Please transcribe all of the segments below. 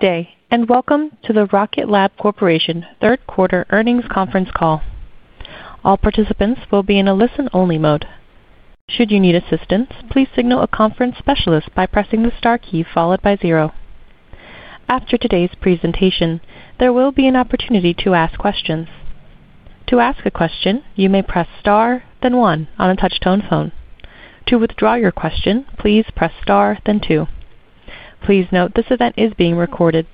Good day, and welcome to the Rocket Lab Corporation third quarter earnings conference call. All participants will be in a listen-only mode. Should you need assistance, please signal a conference specialist by pressing the star key followed by zero. After today's presentation, there will be an opportunity to ask questions. To ask a question, you may press star, then one, on a touch-tone phone. To withdraw your question, please press star, then two. Please note this event is being recorded.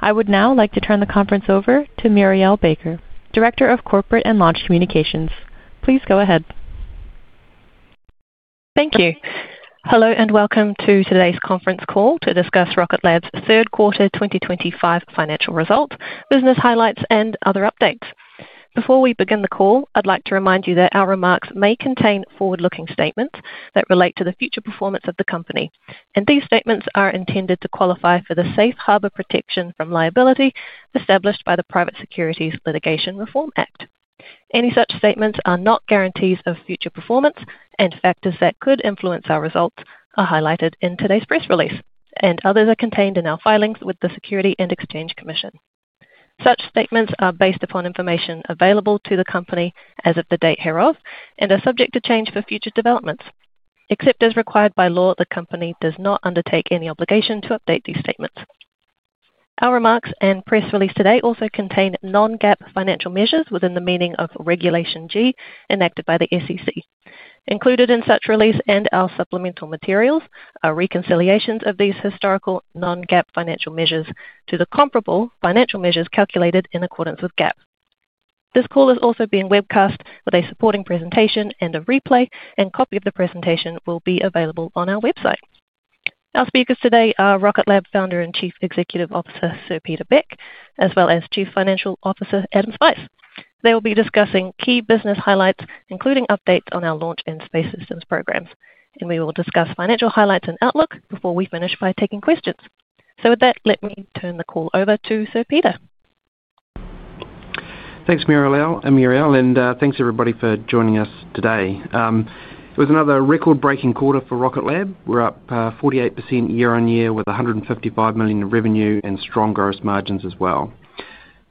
I would now like to turn the conference over to Murielle Baker, Director of Corporate and Launch Communications. Please go ahead. Thank you. Hello, and welcome to today's conference call to discuss Rocket Lab's third quarter 2025 financial results, business highlights, and other updates. Before we begin the call, I'd like to remind you that our remarks may contain forward-looking statements that relate to the future performance of the company. These statements are intended to qualify for the safe harbor protection from liability established by the Private Securities Litigation Reform Act. Any such statements are not guarantees of future performance, and factors that could influence our results are highlighted in today's press release, and others are contained in our filings with the Securities and Exchange Commission. Such statements are based upon information available to the company as of the date hereof and are subject to change for future developments. Except as required by law, the company does not undertake any obligation to update these statements. Our remarks and press release today also contain non-GAAP financial measures within the meaning of Regulation G enacted by the SEC. Included in such release and our supplemental materials are reconciliations of these historical non-GAAP financial measures to the comparable financial measures calculated in accordance with GAAP. This call is also being webcast with a supporting presentation and a replay, and a copy of the presentation will be available on our website. Our speakers today are Rocket Lab Founder and Chief Executive Officer Sir Peter Beck, as well as Chief Financial Officer Adam Spice. They will be discussing key business highlights, including updates on our launch and space systems programs. We will discuss financial highlights and outlook before we finish by taking questions. With that, let me turn the call over to Sir Peter. Thanks, Murielle. Thanks, everybody, for joining us today. It was another record-breaking quarter for Rocket Lab. We're up 48% year-on-year with $155 million in revenue and strong gross margins as well.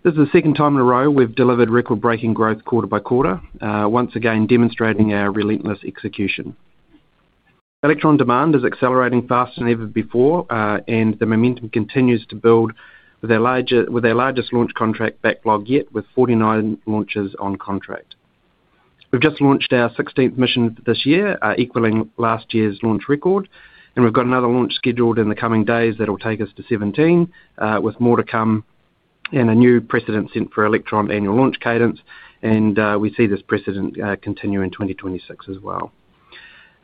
This is the second time in a row we've delivered record-breaking growth quarter by quarter, once again demonstrating our relentless execution. Electron demand is accelerating faster than ever before, and the momentum continues to build with their largest launch contract backlog yet, with 49 launches on contract. We've just launched our 16th mission this year, equaling last year's launch record. We've got another launch scheduled in the coming days that will take us to 17, with more to come and a new precedent set for Electron annual launch cadence. We see this precedent continue in 2026 as well.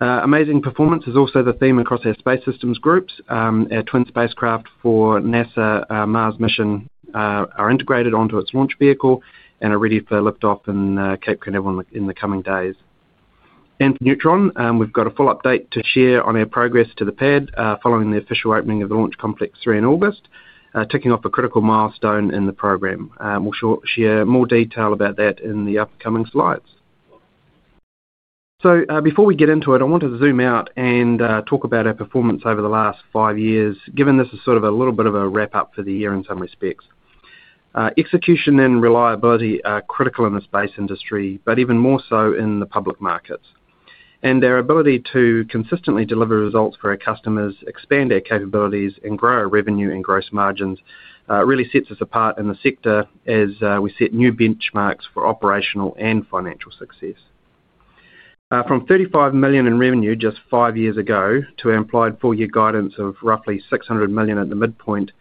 Amazing performance is also the theme across our space systems groups. Our twin spacecraft for NASA's Mars mission are integrated onto its launch vehicle and are ready for lift-off in Cape Canaveral in the coming days. For Neutron, we've got a full update to share on our progress to the pad following the official opening of the launch complex in August, ticking off a critical milestone in the program. We'll share more detail about that in the upcoming slides. Before we get into it, I want to zoom out and talk about our performance over the last five years, given this is sort of a little bit of a wrap-up for the year in some respects. Execution and reliability are critical in the space industry, but even more so in the public markets. Our ability to consistently deliver results for our customers, expand our capabilities, and grow our revenue and gross margins really sets us apart in the sector as we set new benchmarks for operational and financial success. From $35 million in revenue just five years ago to our implied full-year guidance of roughly $600 million at the midpoint,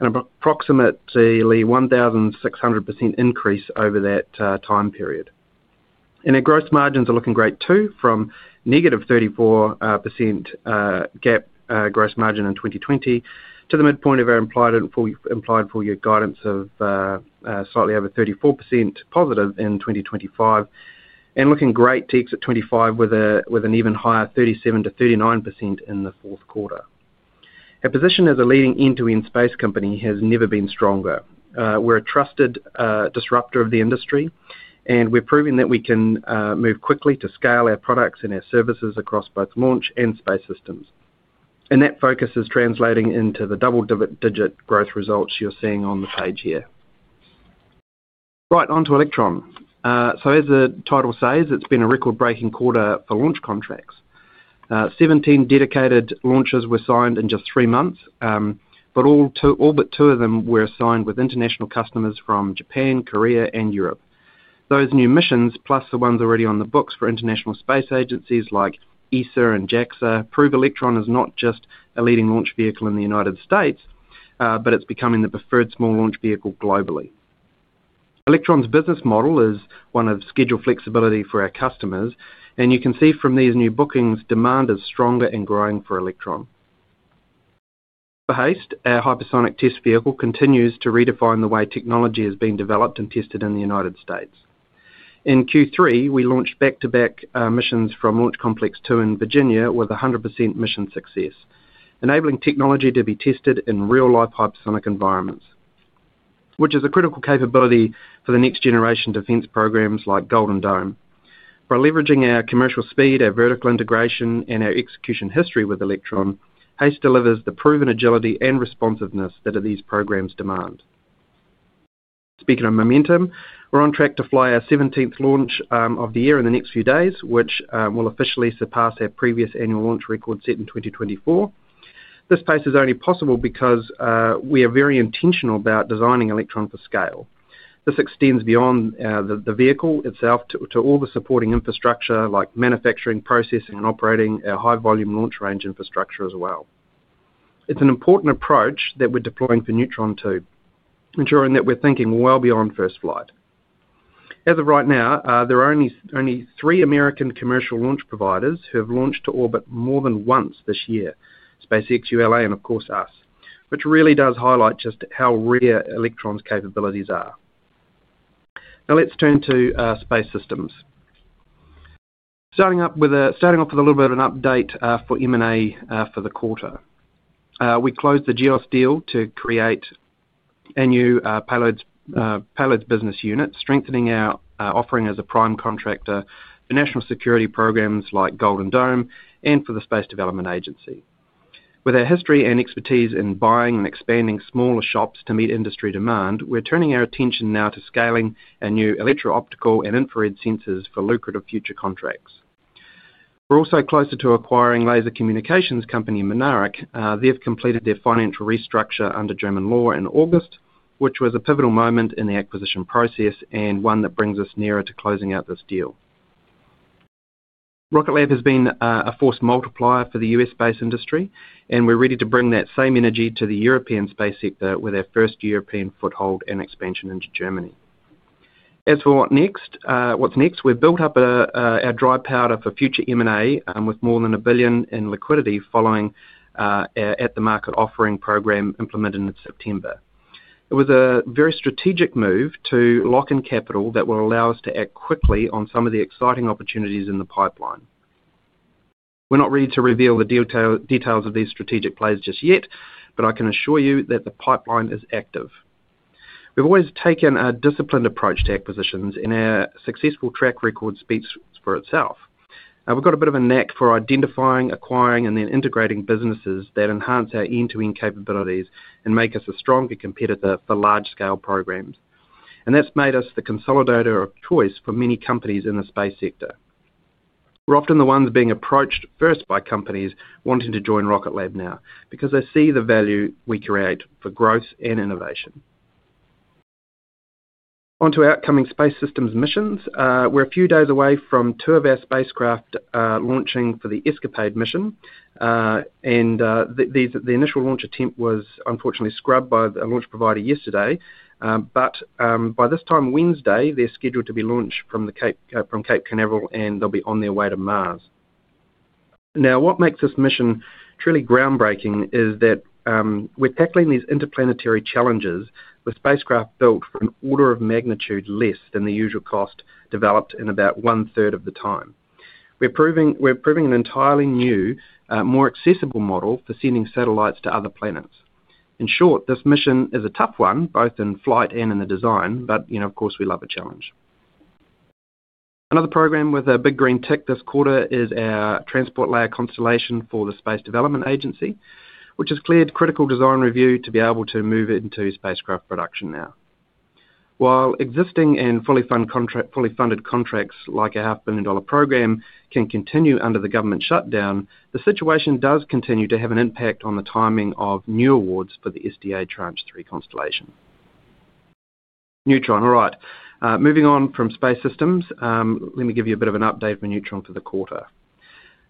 an approximately 1,600% increase over that time period. Our gross margins are looking great too, from -34% GAAP gross margin in 2020 to the midpoint of our implied full-year guidance of slightly over 34% positive in 2025, and looking great to exit 2025 with an even higher 37%-39% in the fourth quarter. Our position as a leading end-to-end space company has never been stronger. We're a trusted disruptor of the industry, and we're proving that we can move quickly to scale our products and our services across both launch and space systems. That focus is translating into the double-digit growth results you're seeing on the page here. Right, onto Electron. As the title says, it's been a record-breaking quarter for launch contracts. Seventeen dedicated launches were signed in just three months, but all but two of them were signed with international customers from Japan, Korea, and Europe. Those new missions, plus the ones already on the books for international space agencies like ESA and JAXA, prove Electron is not just a leading launch vehicle in the United States, but it's becoming the preferred small launch vehicle globally. Electron's business model is one of schedule flexibility for our customers. You can see from these new bookings, demand is stronger and growing for Electron. HASTE, our hypersonic test vehicle, continues to redefine the way technology is being developed and tested in the United States. In Q3, we launched back-to-back missions from Launch Complex 2 in Virginia with 100% mission success, enabling technology to be tested in real-life hypersonic environments, which is a critical capability for next-generation defense programs like Golden Dome. By leveraging our commercial speed, our vertical integration, and our execution history with Electron, HASTE delivers the proven agility and responsiveness that these programs demand. Speaking of momentum, we're on track to fly our 17th launch of the year in the next few days, which will officially surpass our previous annual launch record set in 2024. This pace is only possible because we are very intentional about designing Electron for scale. This extends beyond the vehicle itself to all the supporting infrastructure, like manufacturing, processing, and operating a high-volume launch range infrastructure as well. It's an important approach that we're deploying for Neutron too, ensuring that we're thinking well beyond first flight. As of right now, there are only three American commercial launch providers who have launched to orbit more than once this year, SpaceX, ULA, and of course, us, which really does highlight just how rare Electron's capabilities are. Now let's turn to space systems. Starting off with a little bit of an update for M&A for the quarter. We closed the GEOS deal to create a new payloads business unit, strengthening our offering as a prime contractor for national security programs like Golden Dome and for the Space Development Agency. With our history and expertise in buying and expanding smaller shops to meet industry demand, we're turning our attention now to scaling a new electro-optical and infrared sensors for lucrative future contracts. We're also closer to acquiring laser communications company Mynaric. They've completed their financial restructure under German law in August, which was a pivotal moment in the acquisition process and one that brings us nearer to closing out this deal. Rocket Lab has been a force multiplier for the U.S. space industry, and we're ready to bring that same energy to the European space sector with our first European foothold and expansion into Germany. As for what's next, we've built up our dry powder for future M&A with more than $1 billion in liquidity following our at-the-market offering program implemented in September. It was a very strategic move to lock in capital that will allow us to act quickly on some of the exciting opportunities in the pipeline. We're not ready to reveal the details of these strategic plays just yet, but I can assure you that the pipeline is active. We've always taken a disciplined approach to acquisitions, and our successful track record speaks for itself. We've got a bit of a knack for identifying, acquiring, and then integrating businesses that enhance our end-to-end capabilities and make us a stronger competitor for large-scale programs. That has made us the consolidator of choice for many companies in the space sector. We're often the ones being approached first by companies wanting to join Rocket Lab now because they see the value we create for growth and innovation. Onto our upcoming space systems missions. We're a few days away from two of our spacecraft launching for the ESCAPADE mission. The initial launch attempt was unfortunately scrubbed by the launch provider yesterday. By this time Wednesday, they're scheduled to be launched from Cape Canaveral, and they'll be on their way to Mars. Now, what makes this mission truly groundbreaking is that we're tackling these interplanetary challenges with spacecraft built for an order of magnitude less than the usual cost, developed in about one-third of the time. We're proving an entirely new, more accessible model for sending satellites to other planets. In short, this mission is a tough one, both in flight and in the design, but of course, we love a challenge. Another program with a big green tick this quarter is our transport layer constellation for the Space Development Agency, which has cleared critical design review to be able to move into spacecraft production now. While existing and fully funded contracts like our half-billion-dollar program can continue under the government shutdown, the situation does continue to have an impact on the timing of new awards for the SDA Tranche 3 constellation. Neutron, all right. Moving on from space systems, let me give you a bit of an update for Neutron for the quarter.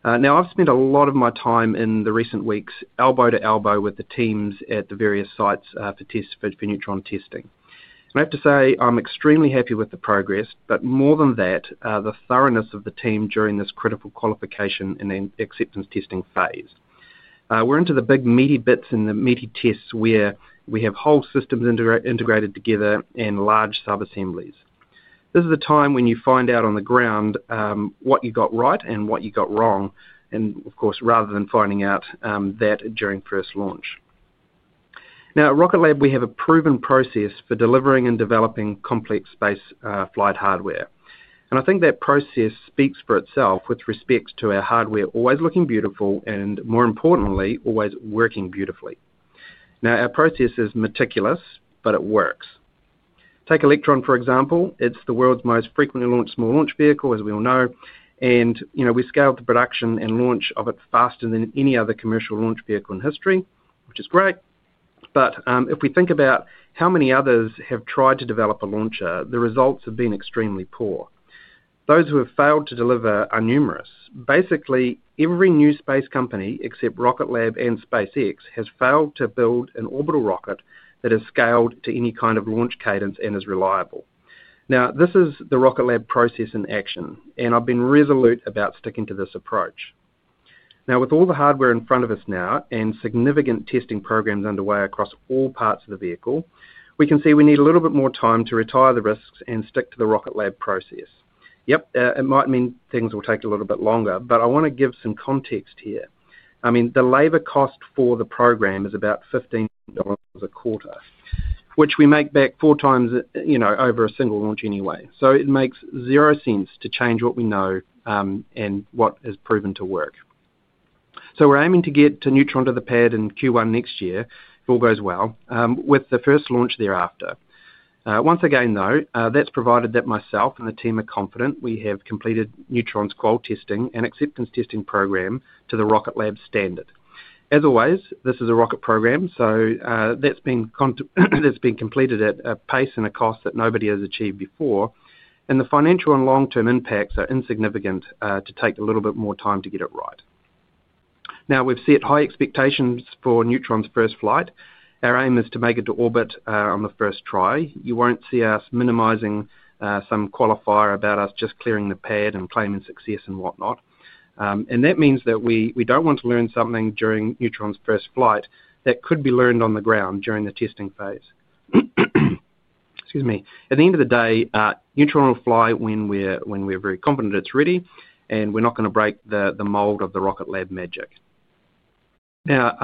Now, I've spent a lot of my time in the recent weeks elbow to elbow with the teams at the various sites for Neutron testing. I have to say I'm extremely happy with the progress, but more than that, the thoroughness of the team during this critical qualification and then acceptance testing phase. We're into the big meaty bits and the meaty tests where we have whole systems integrated together and large sub-assemblies. This is the time when you find out on the ground what you got right and what you got wrong, and of course, rather than finding out that during first launch. Now, at Rocket Lab, we have a proven process for delivering and developing complex space flight hardware. I think that process speaks for itself with respect to our hardware always looking beautiful and, more importantly, always working beautifully. Our process is meticulous, but it works. Take Electron, for example. It's the world's most frequently launched small launch vehicle, as we all know. We scaled the production and launch of it faster than any other commercial launch vehicle in history, which is great. If we think about how many others have tried to develop a launcher, the results have been extremely poor. Those who have failed to deliver are numerous. Basically, every new space company except Rocket Lab and SpaceX has failed to build an orbital rocket that is scaled to any kind of launch cadence and is reliable. Now, this is the Rocket Lab process in action, and I've been resolute about sticking to this approach. Now, with all the hardware in front of us now and significant testing programs underway across all parts of the vehicle, we can see we need a little bit more time to retire the risks and stick to the Rocket Lab process. Yep, it might mean things will take a little bit longer, but I want to give some context here. I mean, the labor cost for the program is about $15 a quarter, which we make back four times over a single launch anyway. It makes zero sense to change what we know and what has proven to work. We are aiming to get Neutron to the pad in Q1 next year if all goes well, with the first launch thereafter. Once again, though, that is provided that myself and the team are confident we have completed Neutron's qual testing and acceptance testing program to the Rocket Lab standard. As always, this is a rocket program, so that has been completed at a pace and a cost that nobody has achieved before. The financial and long-term impacts are insignificant to take a little bit more time to get it right. We have set high expectations for Neutron's first flight. Our aim is to make it to orbit on the first try. You won't see us minimizing some qualifier about us just clearing the pad and claiming success and whatnot. That means that we don't want to learn something during Neutron's first flight that could be learned on the ground during the testing phase. Excuse me. At the end of the day, Neutron will fly when we're very confident it's ready, and we're not going to break the mold of the Rocket Lab magic. Now,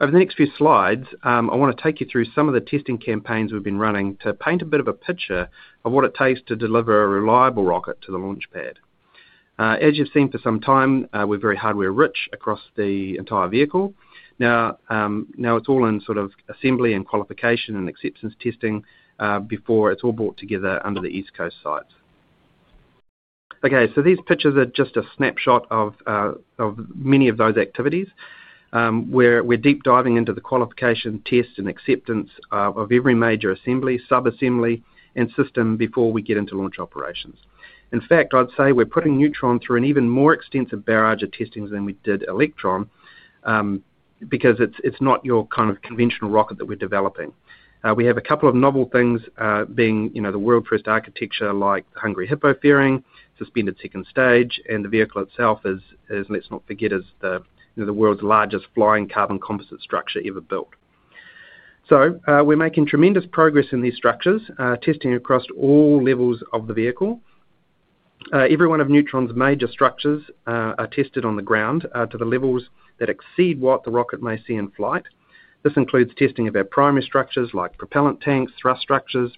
over the next few slides, I want to take you through some of the testing campaigns we've been running to paint a bit of a picture of what it takes to deliver a reliable rocket to the launch pad. As you've seen for some time, we're very hardware-rich across the entire vehicle. Now, it's all in sort of assembly and qualification and acceptance testing before it's all brought together under the East Coast sites. Okay, these pictures are just a snapshot of many of those activities. We're deep diving into the qualification test and acceptance of every major assembly, sub-assembly, and system before we get into launch operations. In fact, I'd say we're putting Neutron through an even more extensive barrage of testing than we did Electron because it's not your kind of conventional rocket that we're developing. We have a couple of novel things being the world-first architecture like the Hungry Hippo fairing, suspended second stage, and the vehicle itself is, let's not forget, the world's largest flying carbon composite structure ever built. We are making tremendous progress in these structures, testing across all levels of the vehicle. Every one of Neutron's major structures are tested on the ground to the levels that exceed what the rocket may see in flight. This includes testing of our primary structures like propellant tanks, thrust structures,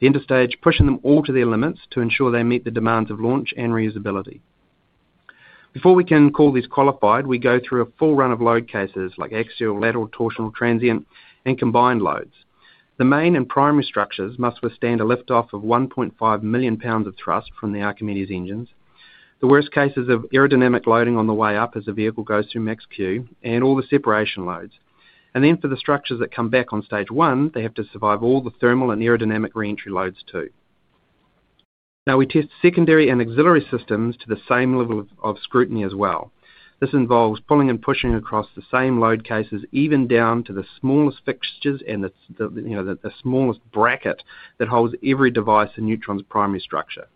the interstage, pushing them all to their limits to ensure they meet the demands of launch and reusability. Before we can call these qualified, we go through a full run of load cases like axial, lateral, torsional, transient, and combined loads. The main and primary structures must withstand a lift-off of 1.5 million pounds of thrust from the Archimedes engines. The worst cases of aerodynamic loading on the way up as the vehicle goes through Max-Q and all the separation loads. For the structures that come back on stage one, they have to survive all the thermal and aerodynamic re-entry loads too. Now, we test secondary and auxiliary systems to the same level of scrutiny as well. This involves pulling and pushing across the same load cases even down to the smallest fixtures and the smallest bracket that holds every device in Neutron's primary structure.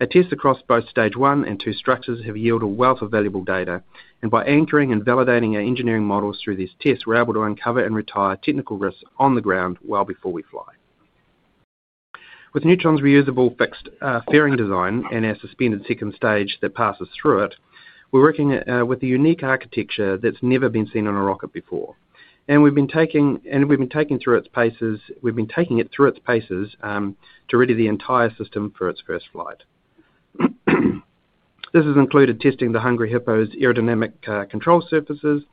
A test across both stage one and two structures has yielded a wealth of valuable data. By anchoring and validating our engineering models through these tests, we're able to uncover and retire technical risks on the ground well before we fly. With Neutron's reusable fixed fairing design and our suspended second stage that passes through it, we're working with a unique architecture that's never been seen on a rocket before. We've been taking it through its paces to ready the entire system for its first flight. This has included testing the Hungry Hippo's aerodynamic control surfaces,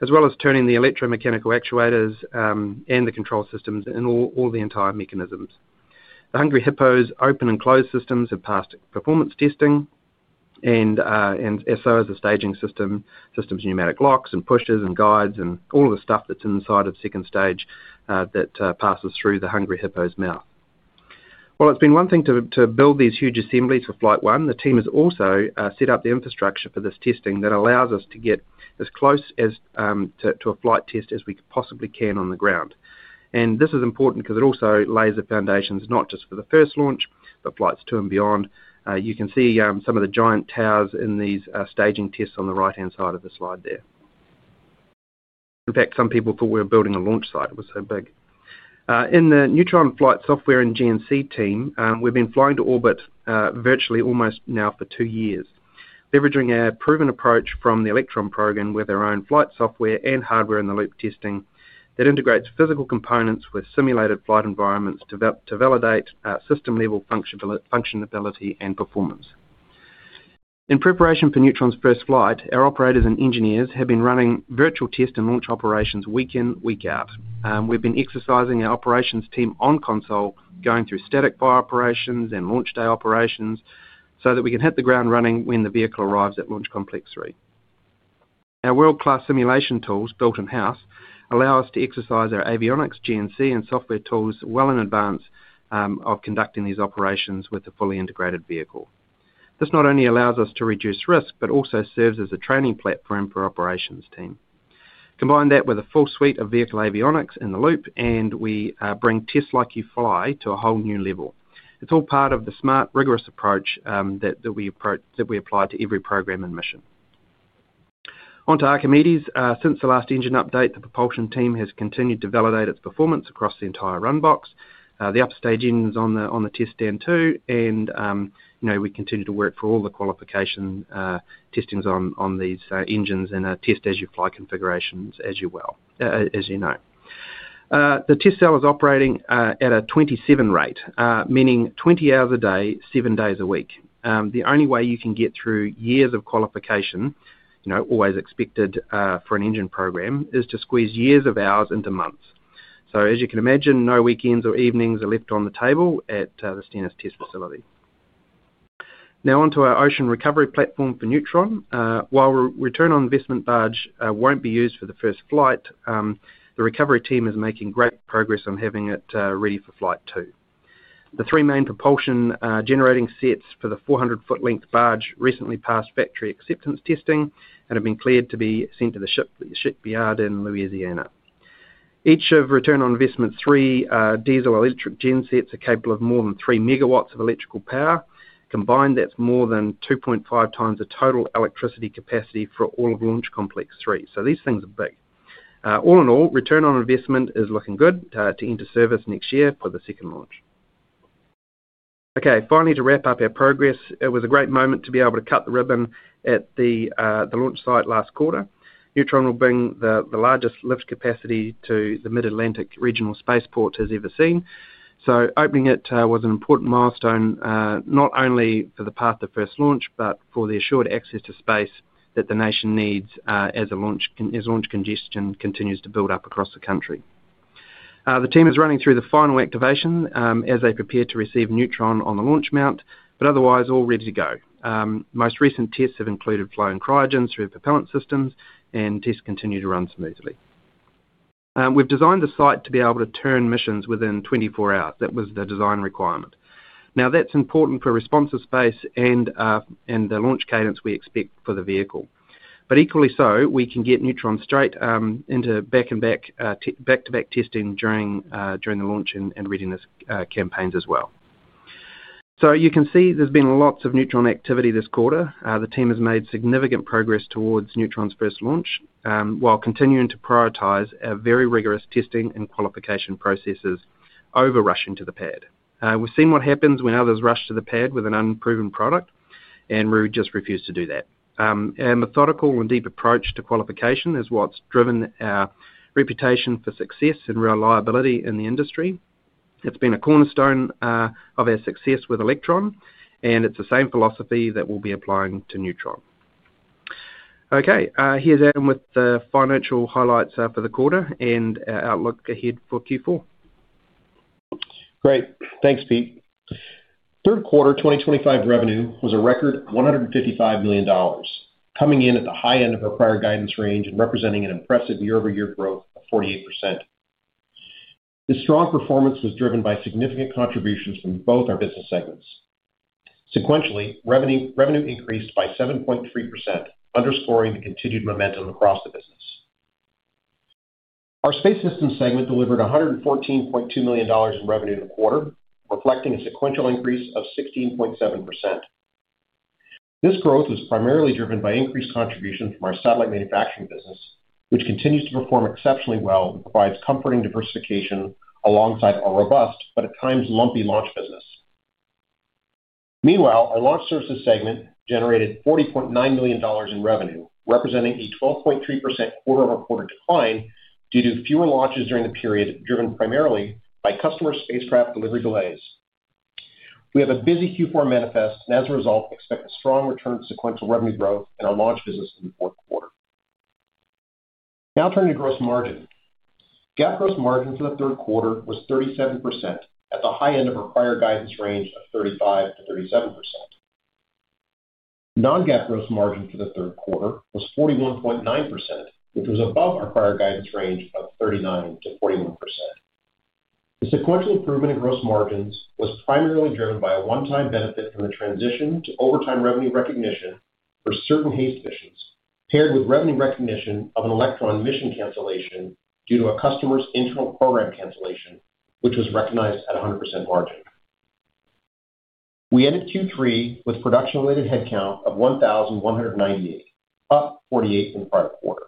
as well as turning the electromechanical actuators and the control systems and all the entire mechanisms. The Hungry Hippo's open and closed systems have passed performance testing, and so has the staging system, systems pneumatic locks and pushes and guides and all of the stuff that's inside of second stage that passes through the Hungry Hippo's mouth. While it's been one thing to build these huge assemblies for flight one, the team has also set up the infrastructure for this testing that allows us to get as close to a flight test as we possibly can on the ground. This is important because it also lays the foundations not just for the first launch, but flights two and beyond. You can see some of the giant towers in these staging tests on the right-hand side of the slide there. In fact, some people thought we were building a launch site. It was so big. In the Neutron flight software and GNC team, we've been flying to orbit virtually almost now for two years, leveraging a proven approach from the Electron program with our own flight software and hardware-in-the-loop testing that integrates physical components with simulated flight environments to validate system-level functionality and performance. In preparation for Neutron's first flight, our operators and engineers have been running virtual test and launch operations week in, week out. We've been exercising our operations team on console, going through static fire operations and launch day operations so that we can hit the ground running when the vehicle arrives at Launch Complex 3. Our world-class simulation tools built in-house allow us to exercise our avionics, GNC, and software tools well in advance of conducting these operations with a fully integrated vehicle. This not only allows us to reduce risk, but also serves as a training platform for our operations team. Combine that with a full suite of vehicle avionics in the loop, and we bring tests like you fly to a whole new level. It's all part of the smart, rigorous approach that we apply to every program and mission. Onto Archimedes. Since the last engine update, the propulsion team has continued to validate its performance across the entire run box. The upstage engines on the test stand too, and we continue to work for all the qualification testings on these engines in our test as you fly configurations as you know. The test cell is operating at a 27 rate, meaning 20 hours a day, seven days a week. The only way you can get through years of qualification, always expected for an engine program, is to squeeze years of hours into months. As you can imagine, no weekends or evenings are left on the table at the Stennis test facility. Now, onto our ocean recovery platform for Neutron. While Return on Investment barge won't be used for the first flight, the recovery team is making great progress on having it ready for flight two. The three main propulsion generating sets for the 400 ft length barge recently passed factory acceptance testing and have been cleared to be sent to the shipyard in Louisiana. Each of Return on Investment's three diesel electric gensets are capable of more than 3 MW of electrical power. Combined, that's more than 2.5x the total electricity capacity for all of Launch Complex 3. These things are big. All in all, Return on Investment is looking good to enter service next year for the second launch. Okay, finally, to wrap up our progress, it was a great moment to be able to cut the ribbon at the launch site last quarter. Neutron will bring the largest lift capacity to the Mid-Atlantic Regional Spaceport it has ever seen. Opening it was an important milestone, not only for the path to first launch, but for the assured access to space that the nation needs as launch congestion continues to build up across the country. The team is running through the final activation as they prepare to receive Neutron on the launch mount, but otherwise all ready to go. Most recent tests have included flowing cryogens through propellant systems, and tests continue to run smoothly. We've designed the site to be able to turn missions within 24 hours. That was the design requirement. Now, that's important for responsive space and the launch cadence we expect for the vehicle. Equally so, we can get Neutron straight into back-to-back testing during the launch and readiness campaigns as well. You can see there's been lots of Neutron activity this quarter. The team has made significant progress towards Neutron's first launch while continuing to prioritize our very rigorous testing and qualification processes over rushing to the pad. We've seen what happens when others rush to the pad with an unproven product, and we just refuse to do that. A methodical and deep approach to qualification is what's driven our reputation for success and reliability in the industry. It's been a cornerstone of our success with Electron, and it's the same philosophy that we'll be applying to Neutron. Okay, here's Adam with the financial highlights for the quarter and our outlook ahead for Q4. Great. Thanks, Pete. Third quarter 2025 revenue was a record $155 million, coming in at the high end of our prior guidance range and representing an impressive year-over-year growth of 48%. This strong performance was driven by significant contributions from both our business segments. Sequentially, revenue increased by 7.3%, underscoring the continued momentum across the business. Our Space Systems segment delivered $114.2 million in revenue in the quarter, reflecting a sequential increase of 16.7%. This growth was primarily driven by increased contribution from our satellite manufacturing business, which continues to perform exceptionally well and provides comforting diversification alongside our robust, but at times lumpy, Launch Services business. Meanwhile, our Launch Services segment generated $40.9 million in revenue, representing a 12.3% quarter-over-quarter decline due to fewer launches during the period, driven primarily by customer spacecraft delivery delays. We have a busy Q4 manifest, and as a result, expect a strong return to sequential revenue growth in our launch business in the fourth quarter. Now, turning to gross margin. GAAP gross margin for the third quarter was 37%, at the high end of our prior guidance range of 35%-37%. Non-GAAP gross margin for the third quarter was 41.9%, which was above our prior guidance range of 39%-41%. The sequential improvement in gross margins was primarily driven by a one-time benefit from the transition to over time revenue recognition for certain HASTE missions, paired with revenue recognition of an Electron mission cancellation due to a customer's internal program cancellation, which was recognized at 100% margin. We ended Q3 with production-related headcount of 1,198, up 48 from prior quarter.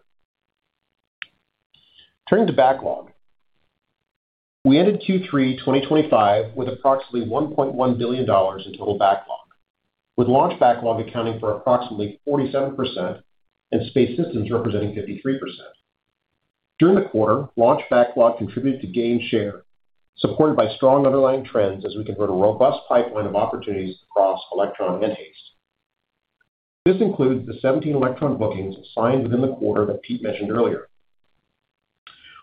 Turning to backlog, we ended Q3 2025 with approximately $1.1 billion in total backlog, with launch backlog accounting for approximately 47% and space systems representing 53%. During the quarter, launch backlog contributed to gain share, supported by strong underlying trends as we convert a robust pipeline of opportunities across Electron and HASTE. This includes the 17 Electron bookings assigned within the quarter that Pete mentioned earlier.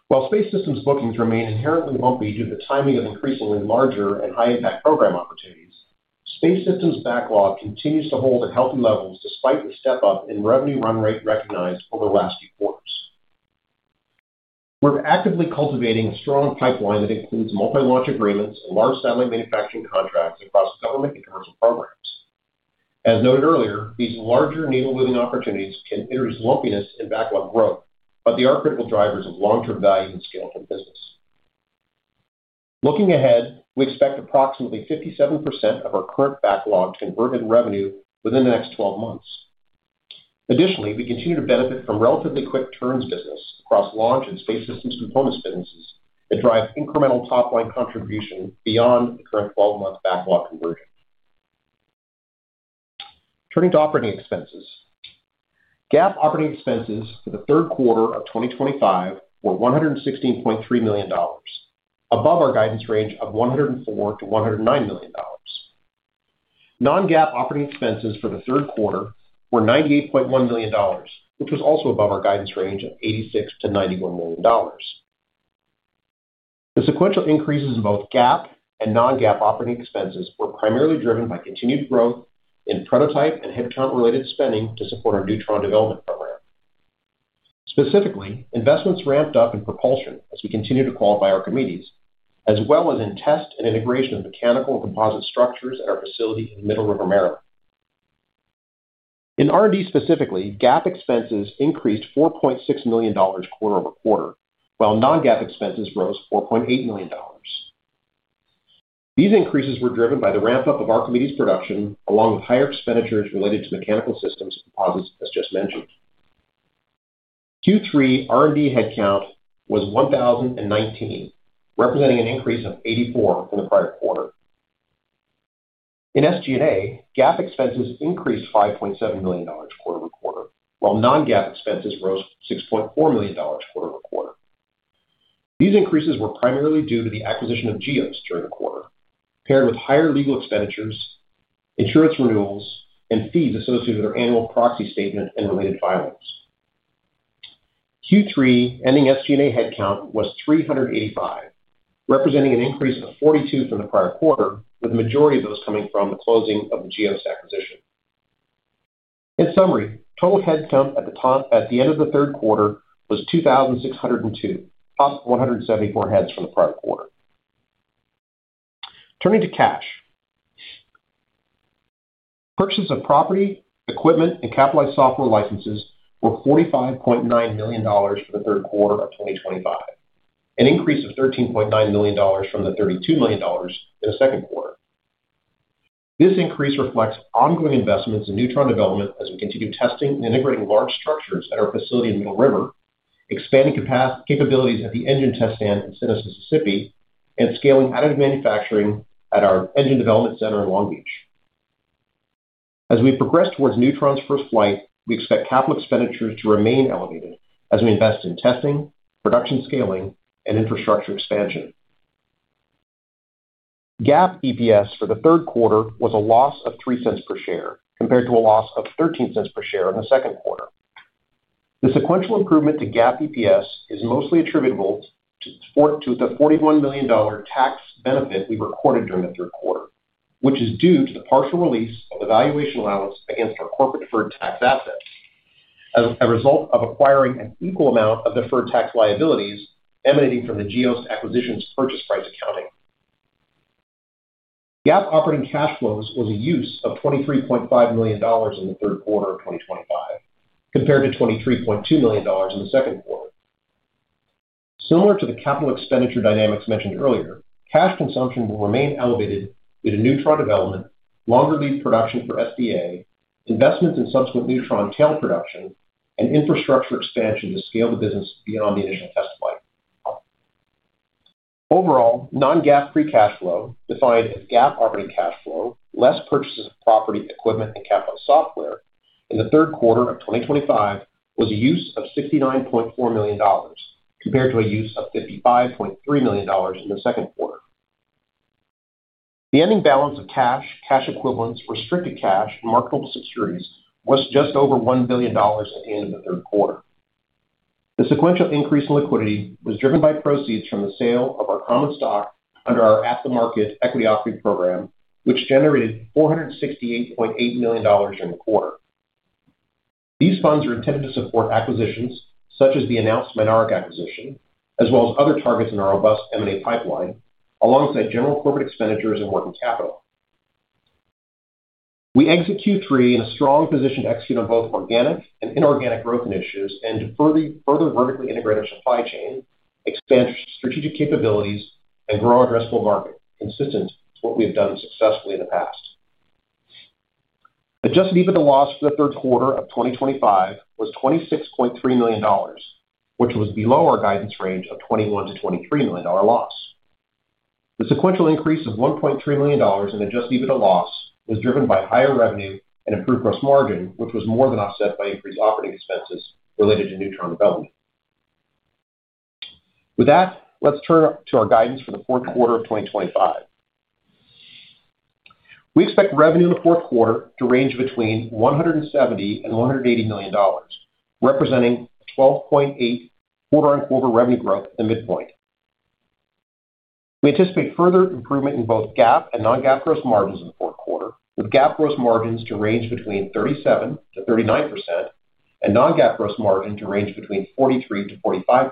While space systems bookings remain inherently lumpy due to the timing of increasingly larger and high-impact program opportunities, space systems backlog continues to hold at healthy levels despite the step-up in revenue run rate recognized over the last few quarters. We're actively cultivating a strong pipeline that includes multi-launch agreements and large satellite manufacturing contracts across government and commercial programs. As noted earlier, these larger needle-moving opportunities can introduce lumpiness in backlog growth, but they are critical drivers of long-term value and scale for the business. Looking ahead, we expect approximately 57% of our current backlog to convert into revenue within the next 12 months. Additionally, we continue to benefit from relatively quick turns business across launch and space systems components businesses that drive incremental top-line contribution beyond the current 12-month backlog conversion. Turning to operating expenses, GAAP operating expenses for the third quarter of 2025 were $116.3 million, above our guidance range of $104 million-$109 million. Non-GAAP operating expenses for the third quarter were $98.1 million, which was also above our guidance range of $86 million-$91 million. The sequential increases in both GAAP and non-GAAP operating expenses were primarily driven by continued growth in prototype and headcount-related spending to support our Neutron development program. Specifically, investments ramped up in propulsion as we continue to qualify our committees, as well as in test and integration of mechanical and composite structures at our facility in the middle of America. In R&D specifically, GAAP expenses increased $4.6 million quarter-over-quarter, while non-GAAP expenses rose $4.8 million. These increases were driven by the ramp-up of our committee's production, along with higher expenditures related to mechanical systems and composites, as just mentioned. Q3 R&D headcount was 1,019, representing an increase of 84 from the prior quarter. In SG&A, GAAP expenses increased $5.7 million quarter over quarter, while non-GAAP expenses rose $6.4 million quarter over quarter. These increases were primarily due to the acquisition of GEOS during the quarter, paired with higher legal expenditures, insurance renewals, and fees associated with our annual proxy statement and related filings. Q3 ending SG&A headcount was 385, representing an increase of 42 from the prior quarter, with the majority of those coming from the closing of the GEOS acquisition. In summary, total headcount at the end of the third quarter was 2,602, up 174 heads from the prior quarter. Turning to cash, purchases of property, equipment, and capitalized software licenses were $45.9 million for the third quarter of 2025, an increase of $13.9 million from the $32 million in the second quarter. This increase reflects ongoing investments in Neutron development as we continue testing and integrating large structures at our facility in Middle River, expanding capabilities at the engine test stand in Stennis, Mississippi, and scaling additive manufacturing at our engine development center in Long Beach. As we progress towards Neutron's first flight, we expect capital expenditures to remain elevated as we invest in testing, production scaling, and infrastructure expansion. GAAP EPS for the third quarter was a loss of $0.03 per share compared to a loss of $0.13 per share in the second quarter. The sequential improvement to GAAP EPS is mostly attributable to the $41 million tax benefit we recorded during the third quarter, which is due to the partial release of the valuation allowance against our corporate deferred tax assets as a result of acquiring an equal amount of deferred tax liabilities emanating from the GEOS acquisition's purchase price accounting. GAAP operating cash flows was a use of $23.5 million in the third quarter of 2025, compared to $23.2 million in the second quarter. Similar to the capital expenditure dynamics mentioned earlier, cash consumption will remain elevated due to Neutron development, longer lead production for SDA, investments in subsequent Neutron tail production, and infrastructure expansion to scale the business beyond the initial test flight. Overall, non-GAAP free cash flow, defined as GAAP operating cash flow, less purchases of property, equipment, and capitalized software in the third quarter of 2025, was a use of $69.4 million, compared to a use of $55.3 million in the second quarter. The ending balance of cash, cash equivalents, restricted cash, and marketable securities was just over $1 billion at the end of the third quarter. The sequential increase in liquidity was driven by proceeds from the sale of our common stock under our at-the-market equity offering program, which generated $468.8 million during the quarter. These funds are intended to support acquisitions such as the announced Mynaric acquisition, as well as other targets in our robust M&A pipeline, alongside general corporate expenditures and working capital. We exit Q3 in a strong position to execute on both organic and inorganic growth initiatives and to further vertically integrate our supply chain, expand strategic capabilities, and grow our addressable market, consistent with what we have done successfully in the past. Adjusted EBITDA loss for the third quarter of 2025 was $26.3 million, which was below our guidance range of $21 million-$23 million loss. The sequential increase of $1.3 million in adjusted EBITDA loss was driven by higher revenue and improved gross margin, which was more than offset by increased operating expenses related to Neutron development. With that, let's turn to our guidance for the fourth quarter of 2025. We expect revenue in the fourth quarter to range between $170 million-$180 million, representing a 12.8% quarter-on-quarter revenue growth at the midpoint. We anticipate further improvement in both GAAP and non-GAAP gross margins in the fourth quarter, with GAAP gross margins to range between 37%-39% and non-GAAP gross margin to range between 43%-45%.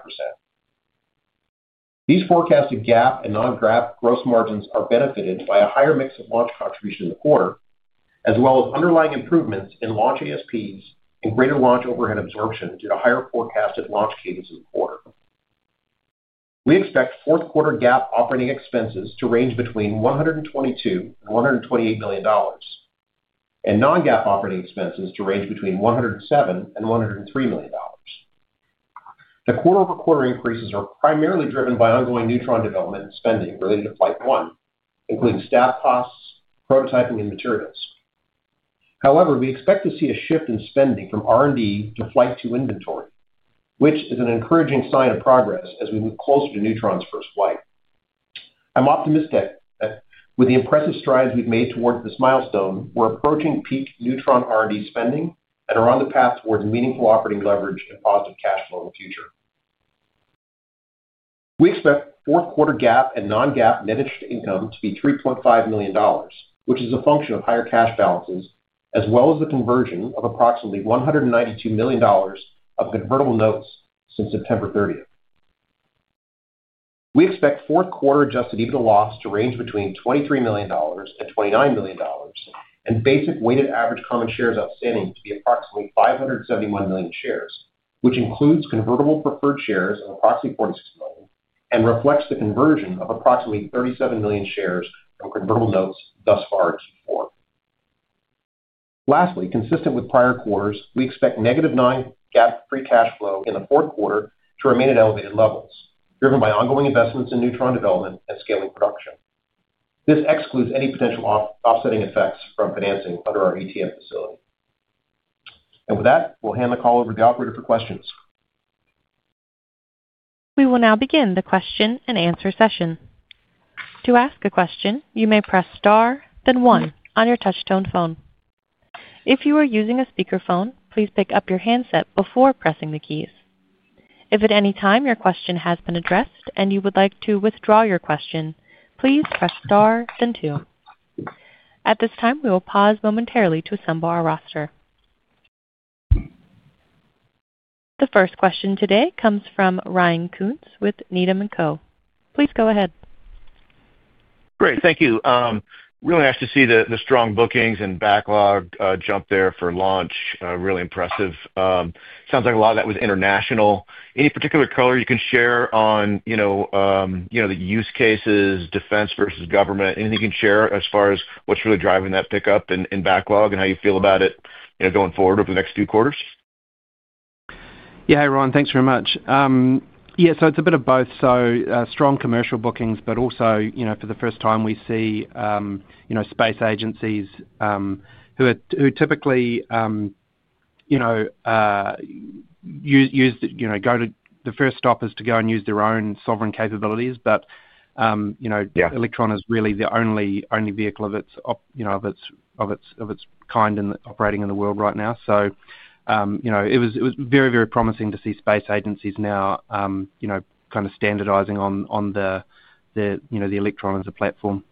These forecasted GAAP and non-GAAP gross margins are benefited by a higher mix of launch contribution in the quarter, as well as underlying improvements in launch ASPs and greater launch overhead absorption due to higher forecasted launch cadence in the quarter. We expect fourth quarter GAAP operating expenses to range between $122 million and $128 million, and non-GAAP operating expenses to range between $107 million and $103 million. The quarter-over-quarter increases are primarily driven by ongoing Neutron development and spending related to flight one, including staff costs, prototyping, and materials. However, we expect to see a shift in spending from R&D to flight two inventory, which is an encouraging sign of progress as we move closer to Neutron's first flight. I'm optimistic that with the impressive strides we've made towards this milestone, we're approaching peak Neutron R&D spending and are on the path towards meaningful operating leverage and positive cash flow in the future. We expect fourth quarter GAAP and non-GAAP net interest income to be $3.5 million, which is a function of higher cash balances, as well as the conversion of approximately $192 million of convertible notes since September 30, 2023. We expect fourth quarter adjusted EBITDA loss to range between $23 million-$29 million, and basic weighted average common shares outstanding to be approximately 571 million shares, which includes convertible preferred shares of approximately 46 million and reflects the conversion of approximately 37 million shares from convertible notes thus far in Q4. Lastly, consistent with prior quarters, we expect negative non-GAAP free cash flow in the fourth quarter to remain at elevated levels, driven by ongoing investments in Neutron development and scaling production. This excludes any potential offsetting effects from financing under our ETF facility. With that, we'll hand the call over to the operator for questions. We will now begin the question and answer session. To ask a question, you may press star, then one on your touchstone phone. If you are using a speakerphone, please pick up your handset before pressing the keys. If at any time your question has been addressed and you would like to withdraw your question, please press star, then two. At this time, we will pause momentarily to assemble our roster. The first question today comes from Ryan Koontz with Needham & Co. Please go ahead. Great. Thank you. Really nice to see the strong bookings and backlog jump there for launch. Really impressive. Sounds like a lot of that was international. Any particular color you can share on the use cases, defense versus government? Anything you can share as far as what's really driving that pickup in backlog and how you feel about it going forward over the next few quarters? Yeah, hi Ryan, thanks very much. Yeah, it's a bit of both. Strong commercial bookings, but also for the first time we see space agencies who typically go to the first stoppers to go and use their own sovereign capabilities, but Electron is really the only vehicle of its kind operating in the world right now. It was very, very promising to see space agencies now kind of standardizing on the Electron as a platform.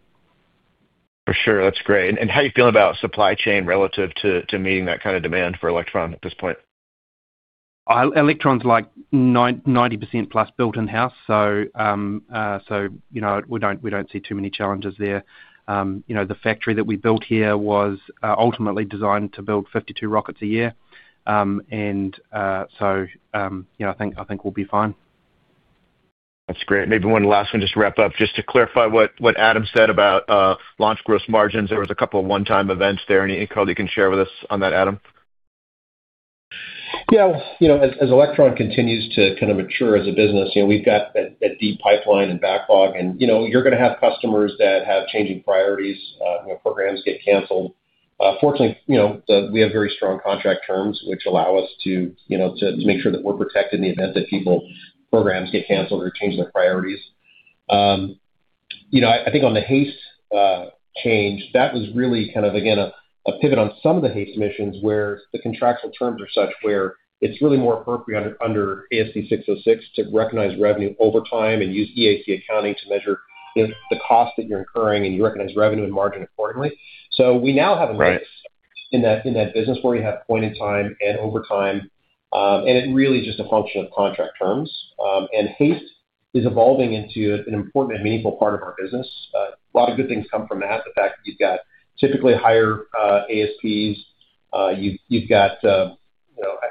For sure. That's great. How are you feeling about supply chain relative to meeting that kind of demand for Electron at this point? Electron's like 90%+ built in-house, so we don't see too many challenges there. The factory that we built here was ultimately designed to build 52 rockets a year, and so I think we'll be fine. That's great. Maybe one last one just to wrap up. Just to clarify what Adam said about launch gross margins, there was a couple of one-time events there. Anything you can share with us on that, Adam? Yeah. As Electron continues to kind of mature as a business, we've got a deep pipeline and backlog, and you're going to have customers that have changing priorities. Programs get canceled. Fortunately, we have very strong contract terms, which allow us to make sure that we're protected in the event that people's programs get canceled or change their priorities. I think on the HASTE change, that was really kind of, again, a pivot on some of the HASTE missions where the contractual terms are such where it's really more appropriate under ASC 606 to recognize revenue over time and use EAC accounting to measure the cost that you're incurring and you recognize revenue and margin accordingly. We now have a mix in that business where we have point in time and over time, and it really is just a function of contract terms. HASTE is evolving into an important and meaningful part of our business. A lot of good things come from that, the fact that you've got typically higher ASPs. You've got,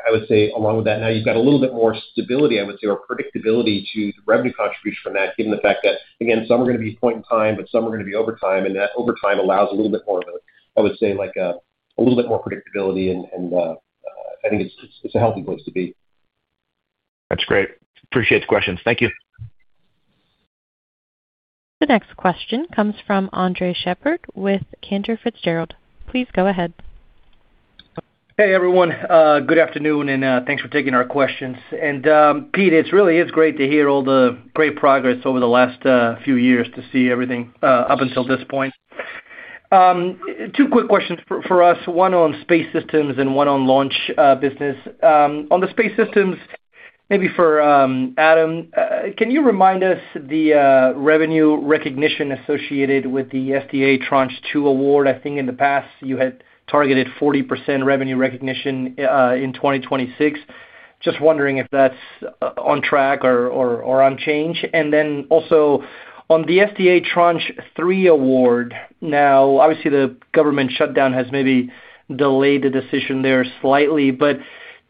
I would say, along with that, now you've got a little bit more stability, I would say, or predictability to the revenue contribution from that, given the fact that, again, some are going to be point in time, but some are going to be over time, and that over time allows a little bit more of a, I would say, a little bit more predictability, and I think it's a healthy place to be. That's great. Appreciate the questions. Thank you. The next question comes from Andre Shepherd with Cantor Fitzgerald. Please go ahead. Hey, everyone. Good afternoon, and thanks for taking our questions. Pete, it really is great to hear all the great progress over the last few years to see everything up until this point. Two quick questions for us, one on space systems and one on launch business. On the space systems, maybe for Adam, can you remind us the revenue recognition associated with the SDA Tranche 2 award? I think in the past you had targeted 40% revenue recognition in 2026. Just wondering if that's on track or on change. Also, on the SDA Tranche 3 award, now, obviously, the government shutdown has maybe delayed the decision there slightly, but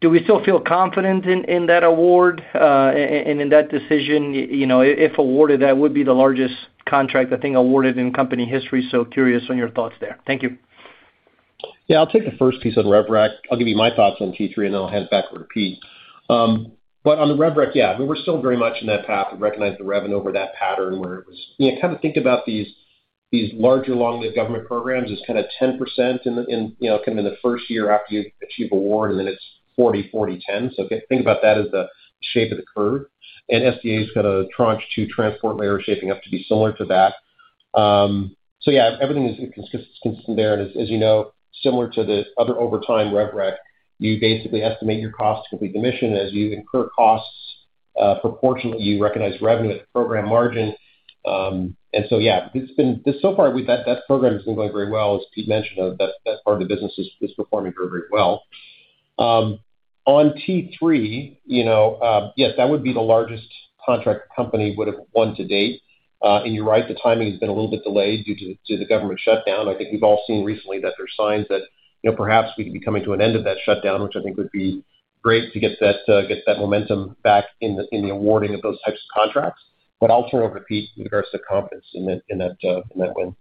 do we still feel confident in that award and in that decision? If awarded, that would be the largest contract, I think, awarded in company history, so curious on your thoughts there. Thank you. Yeah, I'll take the first piece on RevRec. I'll give you my thoughts on T3, and then I'll hand it back over to Pete. On the RevRec, yeah, I mean, we're still very much in that path of recognizing the revenue over that pattern where it was kind of think about these larger long-lived government programs as kind of 10% in kind of in the first year after you achieve award, and then it's 40, 40, 10. Think about that as the shape of the curve. SDA's kind of Tranche 2 transport layer is shaping up to be similar to that. Yeah, everything is consistent there. As you know, similar to the other overtime RevRec, you basically estimate your cost to complete the mission, and as you incur costs, proportionately, you recognize revenue at the program margin. Yeah, so far, that program has been going very well, as Pete mentioned, that part of the business is performing very, very well. On T3, yes, that would be the largest contract the company would have won to date. You're right, the timing has been a little bit delayed due to the government shutdown. I think we've all seen recently that there are signs that perhaps we could be coming to an end of that shutdown, which I think would be great to get that momentum back in the awarding of those types of contracts. I'll turn over to Pete in regards to confidence in that win.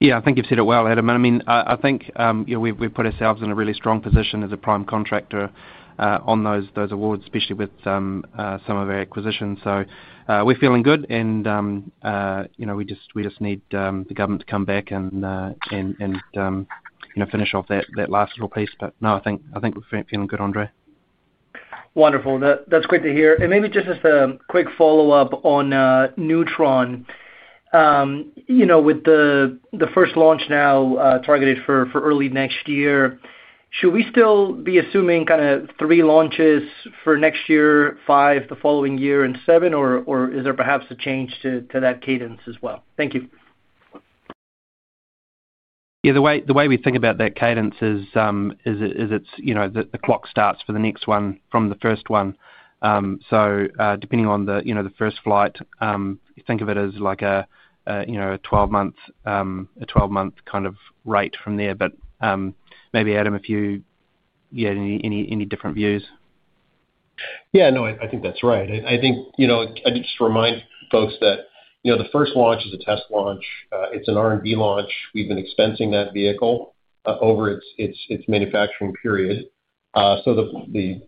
Yeah, I think you've said it well, Adam. I mean, I think we've put ourselves in a really strong position as a prime contractor on those awards, especially with some of our acquisitions. So we're feeling good, and we just need the government to come back and finish off that last little piece. No, I think we're feeling good, Andre. Wonderful. That's great to hear. Maybe just as a quick follow-up on Neutron, with the first launch now targeted for early next year, should we still be assuming kind of three launches for next year, five the following year, and seven, or is there perhaps a change to that cadence as well? Thank you. Yeah, the way we think about that cadence is the clock starts for the next one from the first one. So depending on the first flight, think of it as like a 12-month kind of rate from there. But maybe, Adam, if you had any different views. Yeah, no, I think that's right. I think I just remind folks that the first launch is a test launch. It's an R&D launch. We've been expensing that vehicle over its manufacturing period. The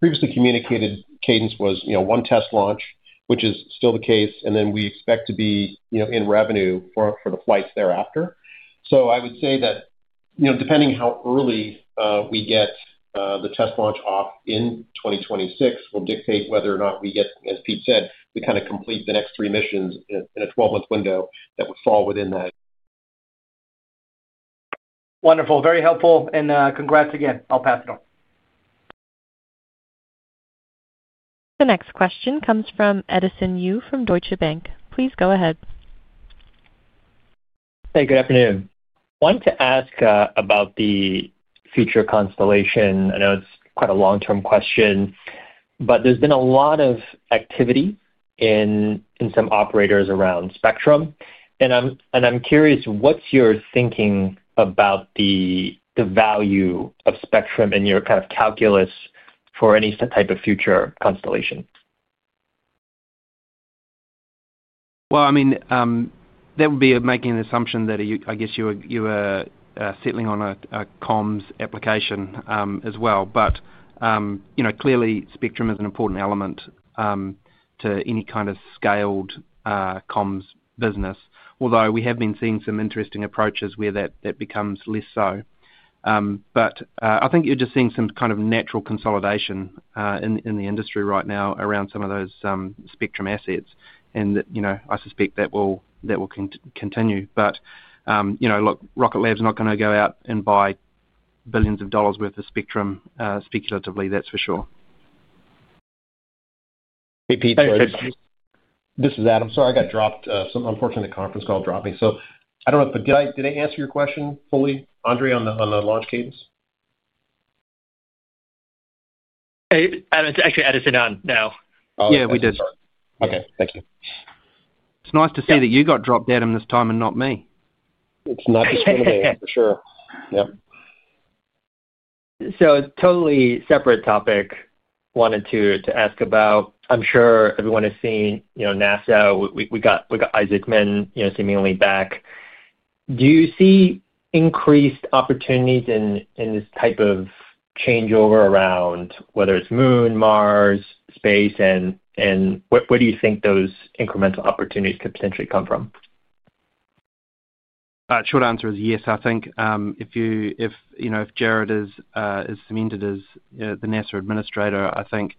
previously communicated cadence was one test launch, which is still the case, and then we expect to be in revenue for the flights thereafter. I would say that depending how early we get the test launch off in 2026 will dictate whether or not we get, as Pete said, we kind of complete the next three missions in a 12-month window that would fall within that. Wonderful. Very helpful. Congrats again. I'll pass it on. The next question comes from Edison Yu from Deutsche Bank. Please go ahead. Hey, good afternoon. Wanted to ask about the future constellation. I know it's quite a long-term question, but there's been a lot of activity in some operators around spectrum. I'm curious, what's your thinking about the value of spectrum in your kind of calculus for any type of future constellation? I mean, that would be making an assumption that I guess you were sitting on a comms application as well. Clearly, spectrum is an important element to any kind of scaled comms business, although we have been seeing some interesting approaches where that becomes less so. I think you're just seeing some kind of natural consolidation in the industry right now around some of those spectrum assets, and I suspect that will continue. Look, Rocket Lab's not going to go out and buy billions of dollars' worth of spectrum, speculatively, that's for sure. Hey, Pete. This is Adam. Sorry, I got dropped. Unfortunately, the conference call dropped me. I do not know, but did I answer your question fully, Andre, on the launch cadence? Actually, Edison on now. Yeah, we did. Okay. Thank you. It's nice to see that you got dropped, Adam, this time and not me. It's not just one of them, for sure. Yep. A totally separate topic I wanted to ask about. I'm sure everyone has seen NASA. We got Isaacman seemingly back. Do you see increased opportunities in this type of changeover around whether it's Moon, Mars, space, and what do you think those incremental opportunities could potentially come from? Short answer is yes. I think if Jared is demeaned as the NASA administrator, I think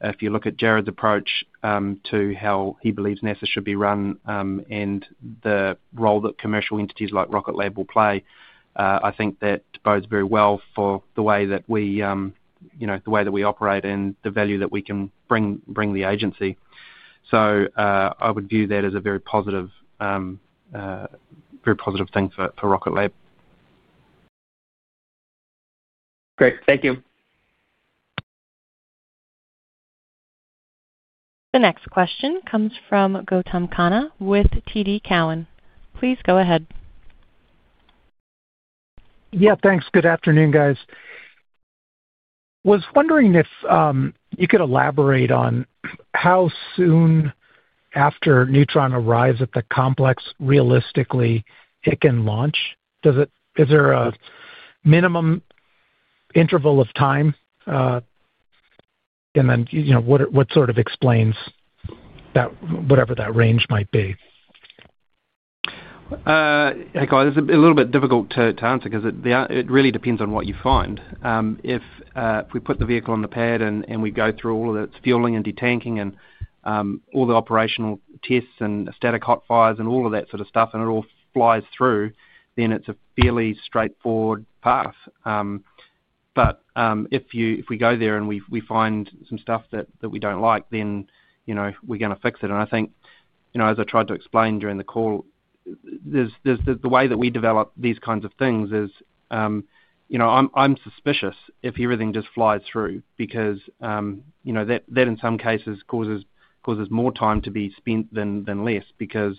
if you look at Jared's approach to how he believes NASA should be run and the role that commercial entities like Rocket Lab will play, I think that bodes very well for the way that we operate and the value that we can bring the agency. I would view that as a very positive thing for Rocket Lab. Great. Thank you. The next question comes from Gautam Khanna with TD Cowen. Please go ahead. Yeah, thanks. Good afternoon, guys. Was wondering if you could elaborate on how soon after Neutron arrives at the complex, realistically, it can launch? Is there a minimum interval of time? What sort of explains whatever that range might be? It's a little bit difficult to answer because it really depends on what you find. If we put the vehicle on the pad and we go through all of its fueling and detanking and all the operational tests and static hot fires and all of that sort of stuff, and it all flies through, then it's a fairly straightforward path. If we go there and we find some stuff that we do not like, then we're going to fix it. I think, as I tried to explain during the call, the way that we develop these kinds of things is I'm suspicious if everything just flies through because that, in some cases, causes more time to be spent than less because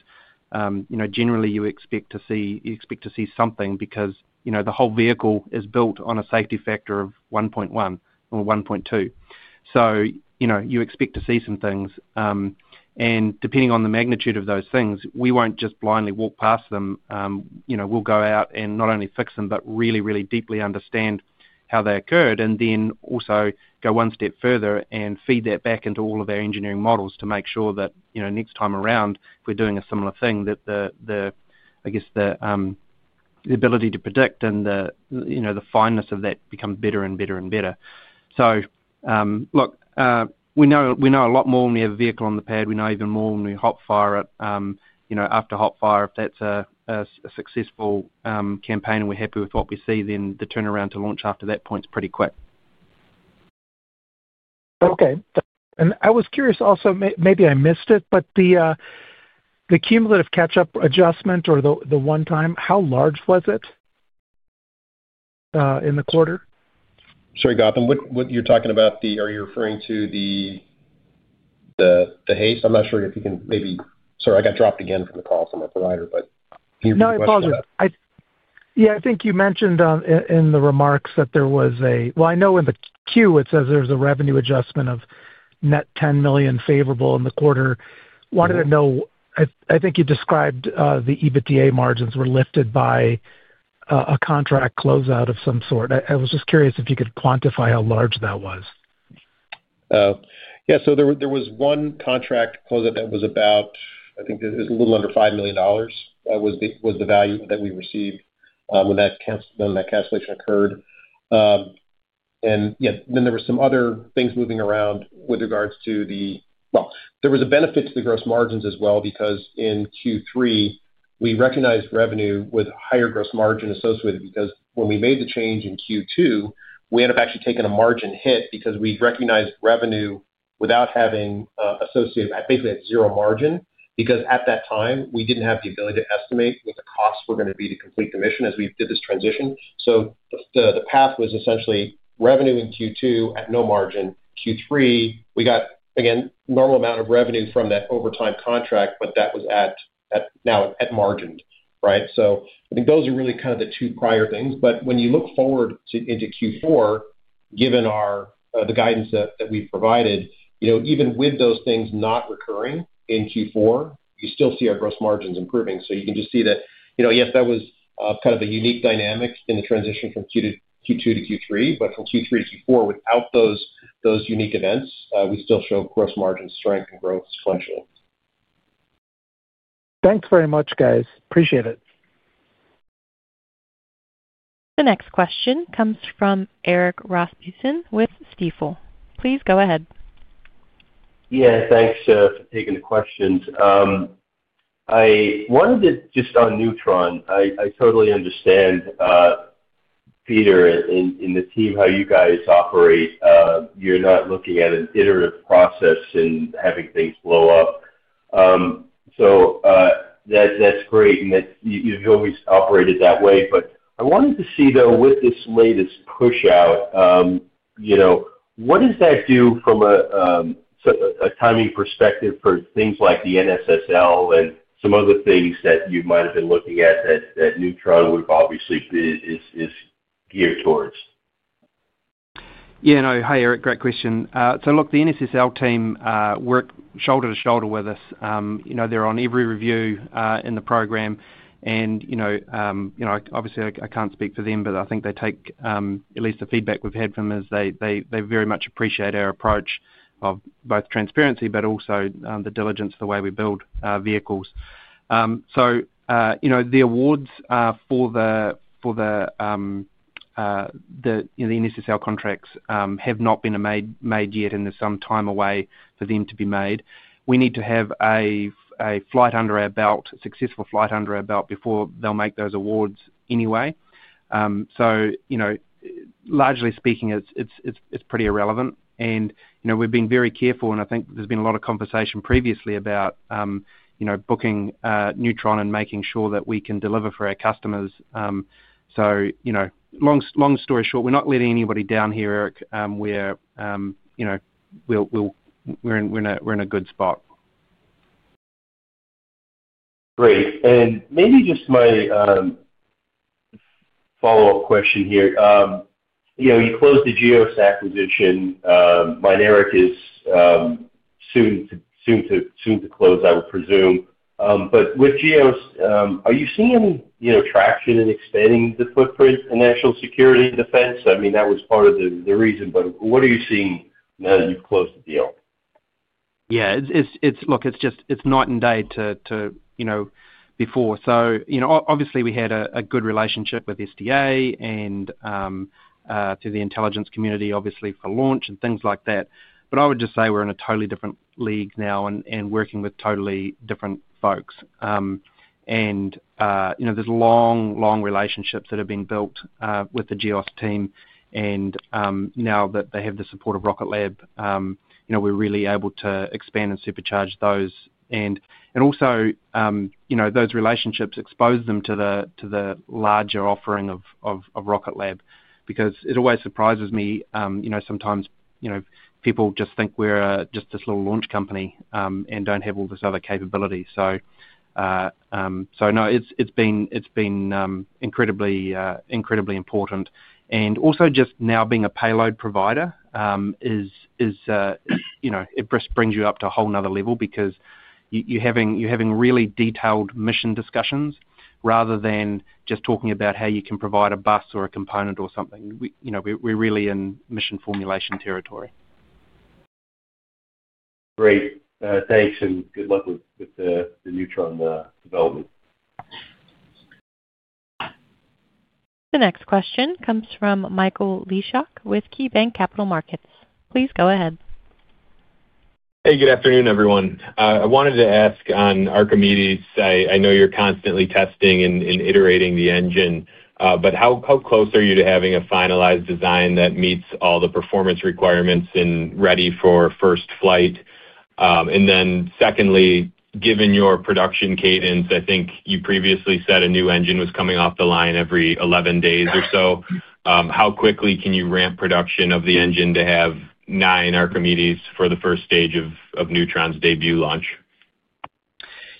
generally, you expect to see something because the whole vehicle is built on a safety factor of 1.1 or 1.2. You expect to see some things. Depending on the magnitude of those things, we will not just blindly walk past them. We will go out and not only fix them but really, really deeply understand how they occurred and then also go one step further and feed that back into all of our engineering models to make sure that next time around we are doing a similar thing, that, I guess, the ability to predict and the fineness of that becomes better and better and better. Look, we know a lot more when we have a vehicle on the pad. We know even more when we hot fire it. After hot fire, if that is a successful campaign and we are happy with what we see, then the turnaround to launch after that point is pretty quick. Okay. I was curious also, maybe I missed it, but the cumulative catch-up adjustment or the one time, how large was it in the quarter? Sorry, Gautam. You're talking about the are you referring to the HASTE? I'm not sure if you can maybe sorry, I got dropped again from the call from our provider, but can you repeat that? No, I apologize. Yeah, I think you mentioned in the remarks that there was a, well, I know in the Q, it says there's a revenue adjustment of net $10 million favorable in the quarter. I wanted to know, I think you described the EBITDA margins were lifted by a contract closeout of some sort. I was just curious if you could quantify how large that was. Yeah. There was one contract closeout that was about, I think it was a little under $5 million was the value that we received when that cancellation occurred. Yeah, then there were some other things moving around with regards to the, well, there was a benefit to the gross margins as well because in Q3, we recognized revenue with higher gross margin associated because when we made the change in Q2, we ended up actually taking a margin hit because we recognized revenue without having associated, basically at zero margin because at that time, we did not have the ability to estimate what the costs were going to be to complete the mission as we did this transition. The path was essentially revenue in Q2 at no margin. Q3, we got, again, normal amount of revenue from that overtime contract, but that was now at margin, right? I think those are really kind of the two prior things. When you look forward into Q4, given the guidance that we've provided, even with those things not recurring in Q4, you still see our gross margins improving. You can just see that, yes, that was kind of a unique dynamic in the transition from Q2 to Q3, but from Q3 to Q4, without those unique events, we still show gross margin strength and growth sequentially. Thanks very much, guys. Appreciate it. The next question comes from Erik Rasmussen with Stifel. Please go ahead. Yeah, thanks for taking the questions. I wanted to just on Neutron, I totally understand, Peter, and the team, how you guys operate. You're not looking at an iterative process and having things blow up. That's great. You've always operated that way. I wanted to see, though, with this latest push-out, what does that do from a timing perspective for things like the NSSL and some other things that you might have been looking at that Neutron would obviously be geared towards? Yeah. Hi, Erik. Great question. Look, the NSSL team work shoulder to shoulder with us. They're on every review in the program. Obviously, I can't speak for them, but I think they take at least the feedback we've had from us. They very much appreciate our approach of both transparency but also the diligence of the way we build vehicles. The awards for the NSSL contracts have not been made yet, and there's some time away for them to be made. We need to have a flight under our belt, a successful flight under our belt before they'll make those awards anyway. Largely speaking, it's pretty irrelevant. We've been very careful, and I think there's been a lot of conversation previously about booking Neutron and making sure that we can deliver for our customers. Long story short, we're not letting anybody down here, Erik. We're in a good spot. Great. Maybe just my follow-up question here. You closed the GEOS acquisition. Mynaric is soon to close, I would presume. With GEOS, are you seeing any traction in expanding the footprint in national security defense? I mean, that was part of the reason, but what are you seeing now that you've closed the deal? Yeah. Look, it's night and day to before. Obviously, we had a good relationship with SDA and through the intelligence community, obviously, for launch and things like that. I would just say we're in a totally different league now and working with totally different folks. There are long, long relationships that have been built with the GEOS team. Now that they have the support of Rocket Lab, we're really able to expand and supercharge those. Also, those relationships expose them to the larger offering of Rocket Lab because it always surprises me. Sometimes, people just think we're just this little launch company and do not have all this other capability. No, it's been incredibly important. Also, just now being a payload provider, it brings you up to a whole nother level because you're having really detailed mission discussions rather than just talking about how you can provide a bus or a component or something. We're really in mission formulation territory. Great. Thanks, and good luck with the Neutron development. The next question comes from Michael Leshock with KeyBanc Capital Markets. Please go ahead. Hey, good afternoon, everyone. I wanted to ask on Archimedes. I know you're constantly testing and iterating the engine, but how close are you to having a finalized design that meets all the performance requirements and ready for first flight? Secondly, given your production cadence, I think you previously said a new engine was coming off the line every 11 days or so. How quickly can you ramp production of the engine to have nine Archimedes for the first stage of Neutron's debut launch?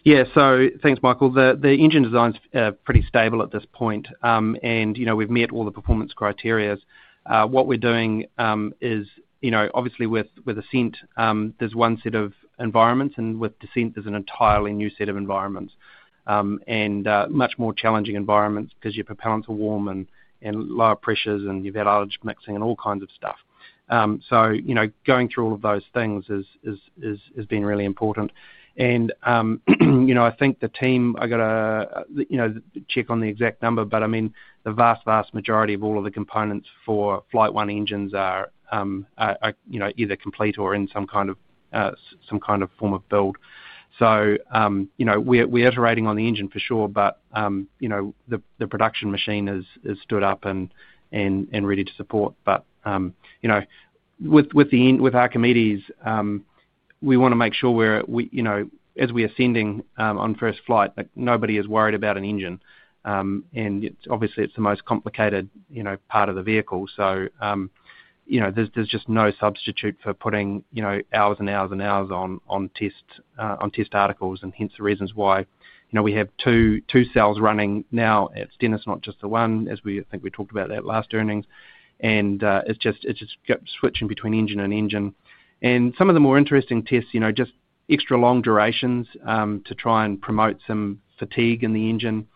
Yeah. So thanks, Michael. The engine design's pretty stable at this point, and we've met all the performance criteria. What we're doing is, obviously, with Ascent, there's one set of environments, and with Descent, there's an entirely new set of environments and much more challenging environments because your propellants are warm and lower pressures, and you've had oilage mixing and all kinds of stuff. Going through all of those things has been really important. I think the team, I got to check on the exact number, but I mean, the vast, vast majority of all of the components for Flight 1 engines are either complete or in some kind of form of build. We're iterating on the engine for sure, but the production machine is stood up and ready to support. With Archimedes, we want to make sure as we're ascending on first flight that nobody is worried about an engine. Obviously, it's the most complicated part of the vehicle. There is just no substitute for putting hours and hours and hours on test articles. Hence the reasons why we have two cells running now. It's [Denis], not just the one, as we think we talked about that last earnings. It's just switching between engine and engine. Some of the more interesting tests are just extra long durations to try and promote some fatigue in the engine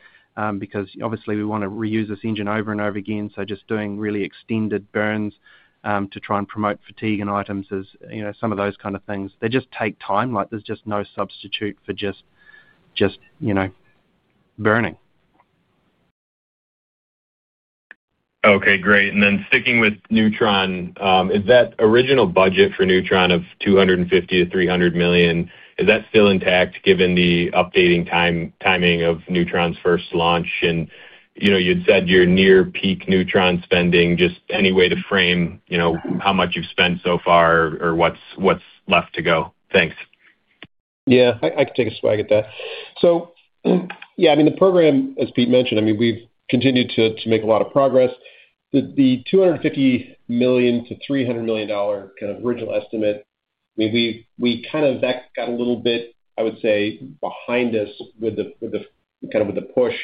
because obviously, we want to reuse this engine over and over again. Just doing really extended burns to try and promote fatigue and items is some of those kind of things. They just take time. There is just no substitute for just burning. Okay. Great. And then sticking with Neutron, is that original budget for Neutron of $250 million-$300 million, is that still intact given the updating timing of Neutron's first launch? And you had said you're near peak Neutron spending. Just any way to frame how much you've spent so far or what's left to go? Thanks. Yeah. I can take a swag at that. So yeah, I mean, the program, as Pete mentioned, I mean, we've continued to make a lot of progress. The $250 million-$300 million kind of original estimate, I mean, we kind of got a little bit, I would say, behind us kind of with the push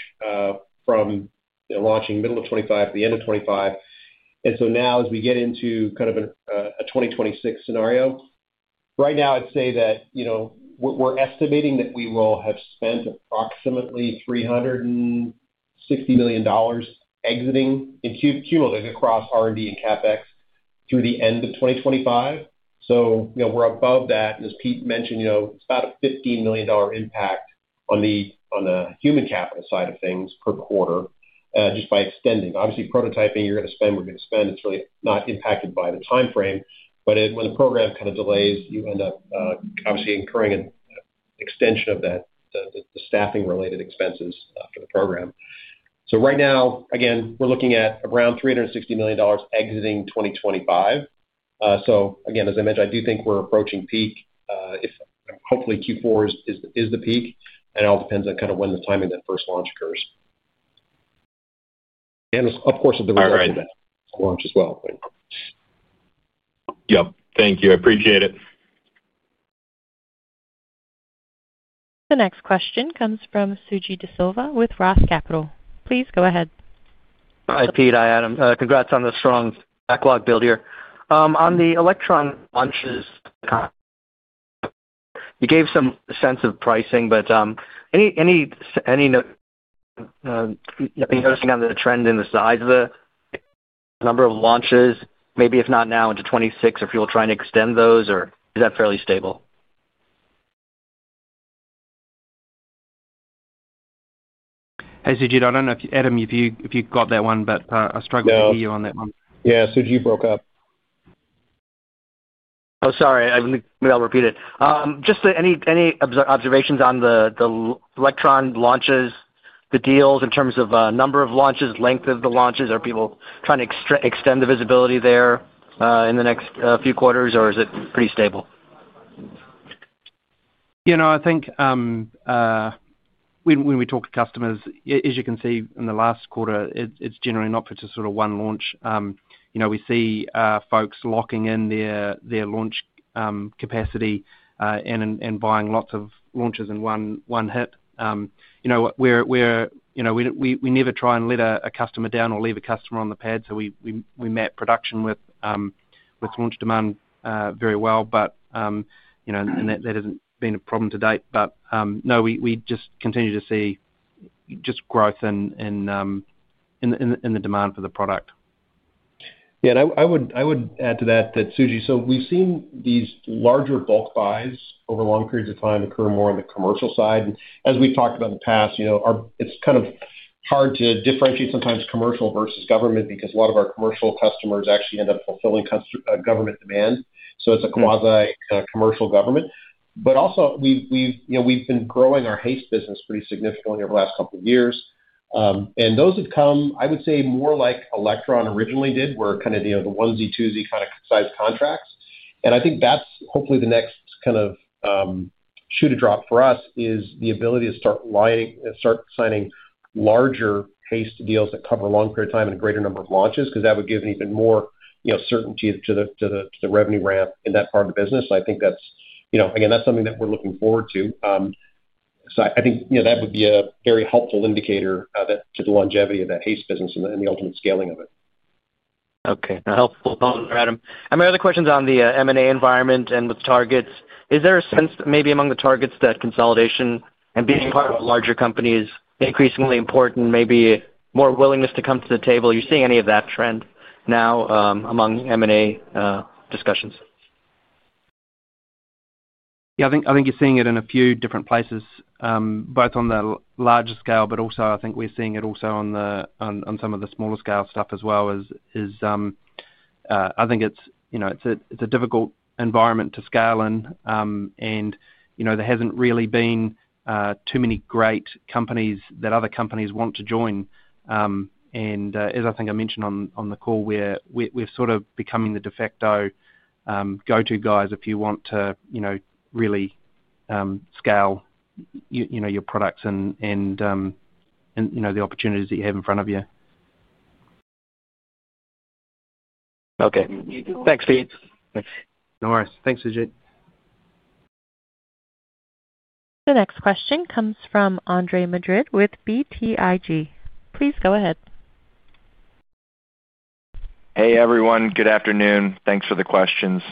from launching middle of 2025 to the end of 2025. And now, as we get into kind of a 2026 scenario, right now, I'd say that we're estimating that we will have spent approximately $360 million exiting and cumulative across R&D and CapEx through the end of 2025. So we're above that. And as Pete mentioned, it's about a $15 million impact on the human capital side of things per quarter just by extending. Obviously, prototyping, you're going to spend, we're going to spend. It's really not impacted by the timeframe. When the program kind of delays, you end up obviously incurring an extension of the staffing-related expenses for the program. Right now, again, we're looking at around $360 million exiting 2025. Again, as I mentioned, I do think we're approaching peak. Hopefully, Q4 is the peak, and it all depends on kind of when the timing of that first launch occurs. Of course, there was a launch as well. Yep. Thank you. I appreciate it. The next question comes from Suji DeSilva with Roth Capital. Please go ahead. Hi, Pete. Hi, Adam. Congrats on the strong backlog build here. On the Electron launches, you gave some sense of pricing, but any noticing on the trend in the size of the number of launches, maybe if not now into 2026, if you'll try and extend those, or is that fairly stable? Hey, Suji, I don't know if Adam, if you got that one, but I struggle to hear you on that one. Yeah. Suji, you broke up. Oh, sorry. I'll repeat it. Just any observations on the Electron launches, the deals in terms of number of launches, length of the launches? Are people trying to extend the visibility there in the next few quarters, or is it pretty stable? I think when we talk to customers, as you can see in the last quarter, it's generally not just sort of one launch. We see folks locking in their launch capacity and buying lots of launches in one hit. We never try and let a customer down or leave a customer on the pad. We map production with launch demand very well. That hasn't been a problem to date. No, we just continue to see just growth in the demand for the product. Yeah. I would add to that that Suji, so we've seen these larger bulk buys over long periods of time occur more on the commercial side. As we've talked about in the past, it's kind of hard to differentiate sometimes commercial versus government because a lot of our commercial customers actually end up fulfilling government demand. It's a quasi-commercial government. Also, we've been growing our HASTE business pretty significantly over the last couple of years. Those have come, I would say, more like Electron originally did, where kind of the onesie, twosie kind of size contracts. I think that's hopefully the next kind of shoe to drop for us is the ability to start signing larger HASTE deals that cover a long period of time and a greater number of launches because that would give even more certainty to the revenue ramp in that part of the business. I think that's, again, that's something that we're looking forward to. I think that would be a very helpful indicator to the longevity of that HASTE business and the ultimate scaling of it. Okay. Helpful. Thanks, Adam. My other question is on the M&A environment and with targets. Is there a sense maybe among the targets that consolidation and being part of larger companies is increasingly important, maybe more willingness to come to the table? Are you seeing any of that trend now among M&A discussions? Yeah. I think you're seeing it in a few different places, both on the larger scale, but also I think we're seeing it also on some of the smaller scale stuff as well. I think it's a difficult environment to scale in, and there hasn't really been too many great companies that other companies want to join. As I think I mentioned on the call, we're sort of becoming the de facto go-to guys if you want to really scale your products and the opportunities that you have in front of you. Okay. Thanks, Pete. No worries. Thanks, Suji. The next question comes from Andre Madrid with BTIG. Please go ahead. Hey, everyone. Good afternoon. Thanks for the questions.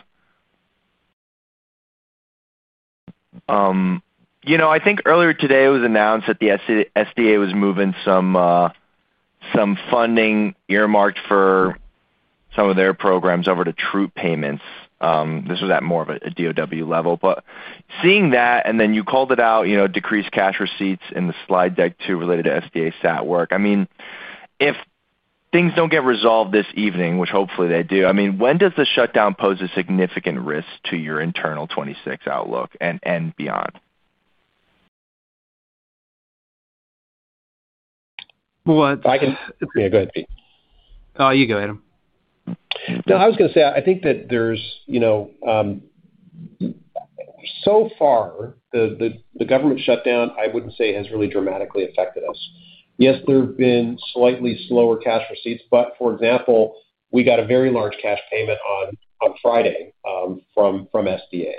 I think earlier today it was announced that the SDA was moving some funding earmarked for some of their programs over to troop payments. This was at more of a DOD level. Seeing that, and then you called it out, decreased cash receipts in the slide deck too related to SDA SAT work. I mean, if things do not get resolved this evening, which hopefully they do, I mean, when does the shutdown pose a significant risk to your internal 2026 outlook and beyond? Yeah. Go ahead, Pete. Oh, you go, Adam. No, I was going to say I think that there's so far, the government shutdown, I wouldn't say has really dramatically affected us. Yes, there have been slightly slower cash receipts, but for example, we got a very large cash payment on Friday from SDA.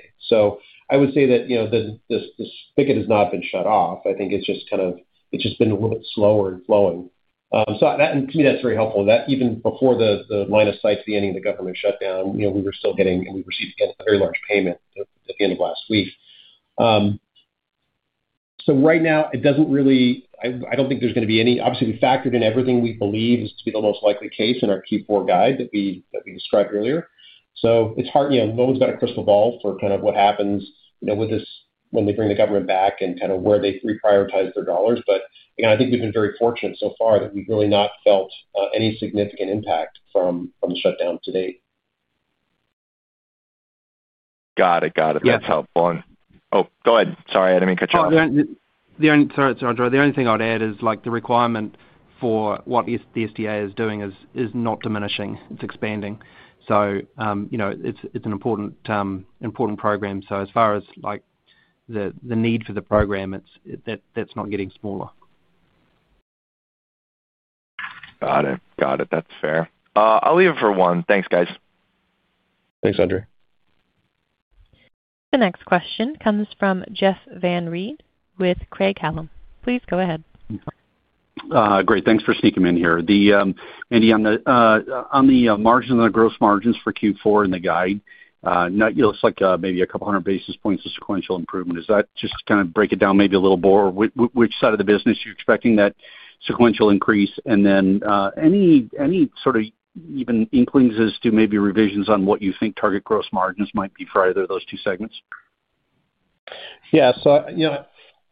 I would say that the spigot has not been shut off. I think it's just kind of been a little bit slower in flowing. To me, that's very helpful. Even before the line of sight to the ending of the government shutdown, we were still getting and we received a very large payment at the end of last week. Right now, it doesn't really, I don't think there's going to be any, obviously, we factored in everything we believe is to be the most likely case in our Q4 guide that we described earlier. No one's got a crystal ball for kind of what happens when they bring the government back and kind of where they reprioritize their dollars. I think we've been very fortunate so far that we've really not felt any significant impact from the shutdown to date. Got it. That's helpful. Oh, go ahead. Sorry, I didn't mean to cut you off. Sorry, Andre. The only thing I'd add is the requirement for what the SDA is doing is not diminishing. It's expanding. It's an important program. As far as the need for the program, that's not getting smaller. Got it. That's fair. I'll leave it for one. Thanks, guys. Thanks, Andre. The next question comes from Jeff Van Rhee with Craig-Hallum. Please go ahead. Great. Thanks for sneaking me in here. On the margins and the gross margins for Q4 in the guide, it looks like maybe a couple hundred basis points of sequential improvement. Is that just to kind of break it down maybe a little more? Which side of the business are you expecting that sequential increase? Any sort of even inklings as to maybe revisions on what you think target gross margins might be for either of those two segments? Yeah.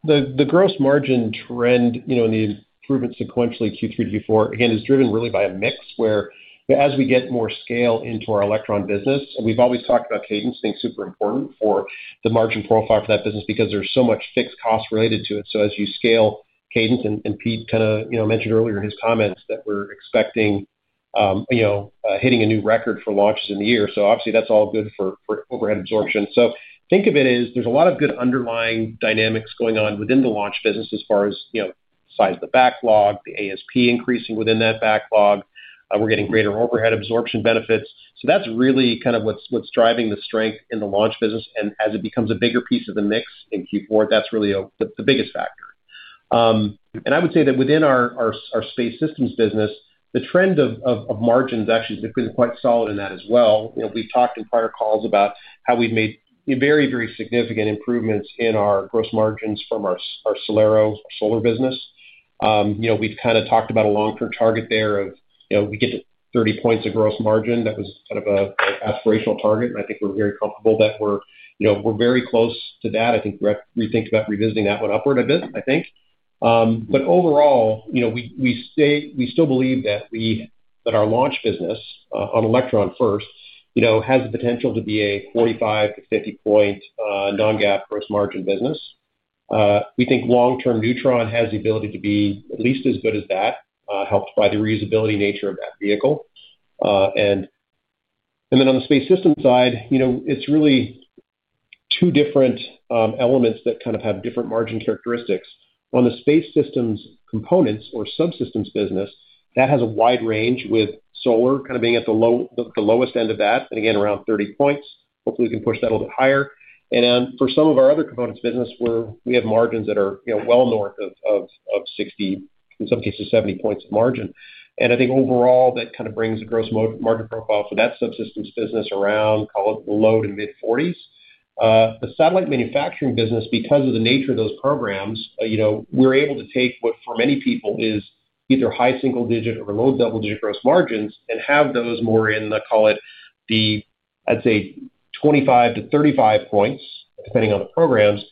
The gross margin trend in the improvement sequentially Q3 to Q4, again, is driven really by a mix where as we get more scale into our Electron business, and we've always talked about cadence being super important for the margin profile for that business because there's so much fixed cost related to it. As you scale cadence, and Pete kind of mentioned earlier in his comments that we're expecting hitting a new record for launches in the year. Obviously, that's all good for overhead absorption. Think of it as there's a lot of good underlying dynamics going on within the launch business as far as size of the backlog, the ASP increasing within that backlog. We're getting greater overhead absorption benefits. That's really kind of what's driving the strength in the launch business. As it becomes a bigger piece of the mix in Q4, that's really the biggest factor. I would say that within our space systems business, the trend of margins actually has been quite solid in that as well. We've talked in prior calls about how we've made very, very significant improvements in our gross margins from our SolAero solar business. We've kind of talked about a long-term target there of we get to 30% gross margin. That was kind of an aspirational target. I think we're very comfortable that we're very close to that. I think we're re-thinking about revisiting that one upward a bit, I think. Overall, we still believe that our launch business on Electron first has the potential to be a 45%-50% non-GAAP gross margin business. We think long-term Neutron has the ability to be at least as good as that, helped by the reusability nature of that vehicle. On the space system side, it's really two different elements that kind of have different margin characteristics. On the space systems components or subsystems business, that has a wide range with solar kind of being at the lowest end of that, and again, around 30%. Hopefully, we can push that a little bit higher. For some of our other components business, we have margins that are well north of 60%, in some cases 70% of margin. I think overall, that kind of brings the gross margin profile for that subsystems business around, call it the low to mid-40%. The satellite manufacturing business, because of the nature of those programs, we're able to take what for many people is either high single-digit or low double-digit gross margins and have those more in, call it the, I'd say, 25-35 points, depending on the programs,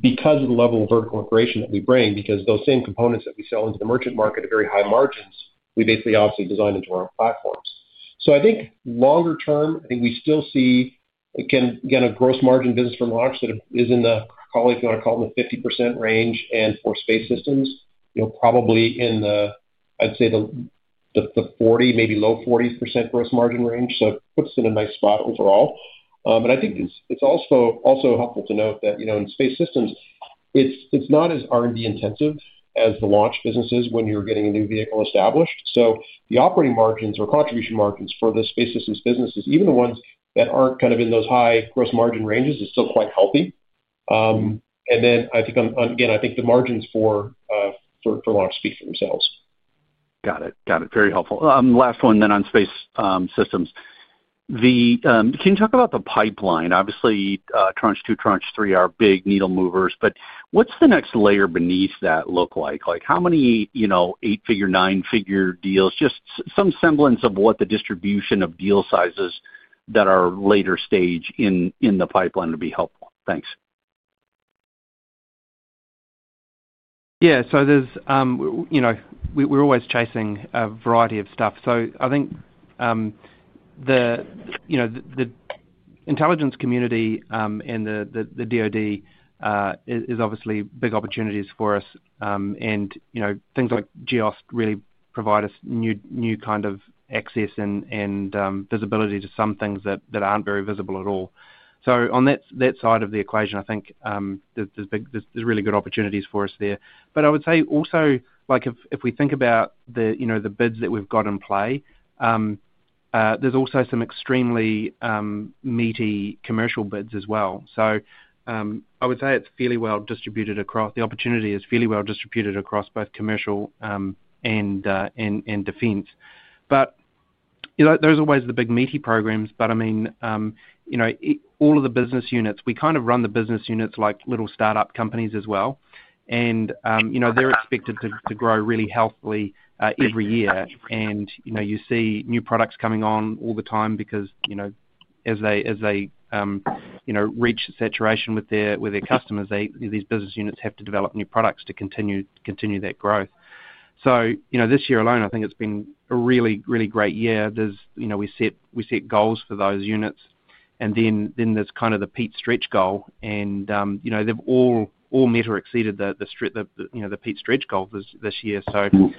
because of the level of vertical integration that we bring. Because those same components that we sell into the merchant market at very high margins, we basically obviously design into our own platforms. I think longer term, I think we still see again, a gross margin business for launch that is in the, call it, if you want to call it in the 50% range. For space systems, probably in the, I'd say, the 40%, maybe low 40% gross margin range. It puts it in a nice spot overall. I think it's also helpful to note that in space systems, it's not as R&D intensive as the launch businesses when you're getting a new vehicle established. The operating margins or contribution margins for the space systems businesses, even the ones that aren't kind of in those high gross margin ranges, is still quite healthy. I think, again, I think the margins for launch speak for themselves. Got it. Very helpful. Last one then on space systems. Can you talk about the pipeline? Obviously, Tranche 2, Tranche three are big needle movers, but what's the next layer beneath that look like? How many eight-figure, nine-figure deals? Just some semblance of what the distribution of deal sizes that are later stage in the pipeline would be helpful. Thanks. Yeah. We're always chasing a variety of stuff. I think the intelligence community and the DoD is obviously big opportunities for us. Things like GEOS really provide us new kind of access and visibility to some things that aren't very visible at all. On that side of the equation, I think there's really good opportunities for us there. I would say also if we think about the bids that we've got in play, there's also some extremely meaty commercial bids as well. I would say it's fairly well distributed across. The opportunity is fairly well distributed across both commercial and defense. Those are always the big meaty programs. I mean, all of the business units, we kind of run the business units like little startup companies as well. They're expected to grow really healthily every year. You see new products coming on all the time because as they reach saturation with their customers, these business units have to develop new products to continue that growth. This year alone, I think it's been a really, really great year. We set goals for those units. Then there's kind of the Pete stretch goal. They've all met or exceeded the Pete stretch goal this year. It's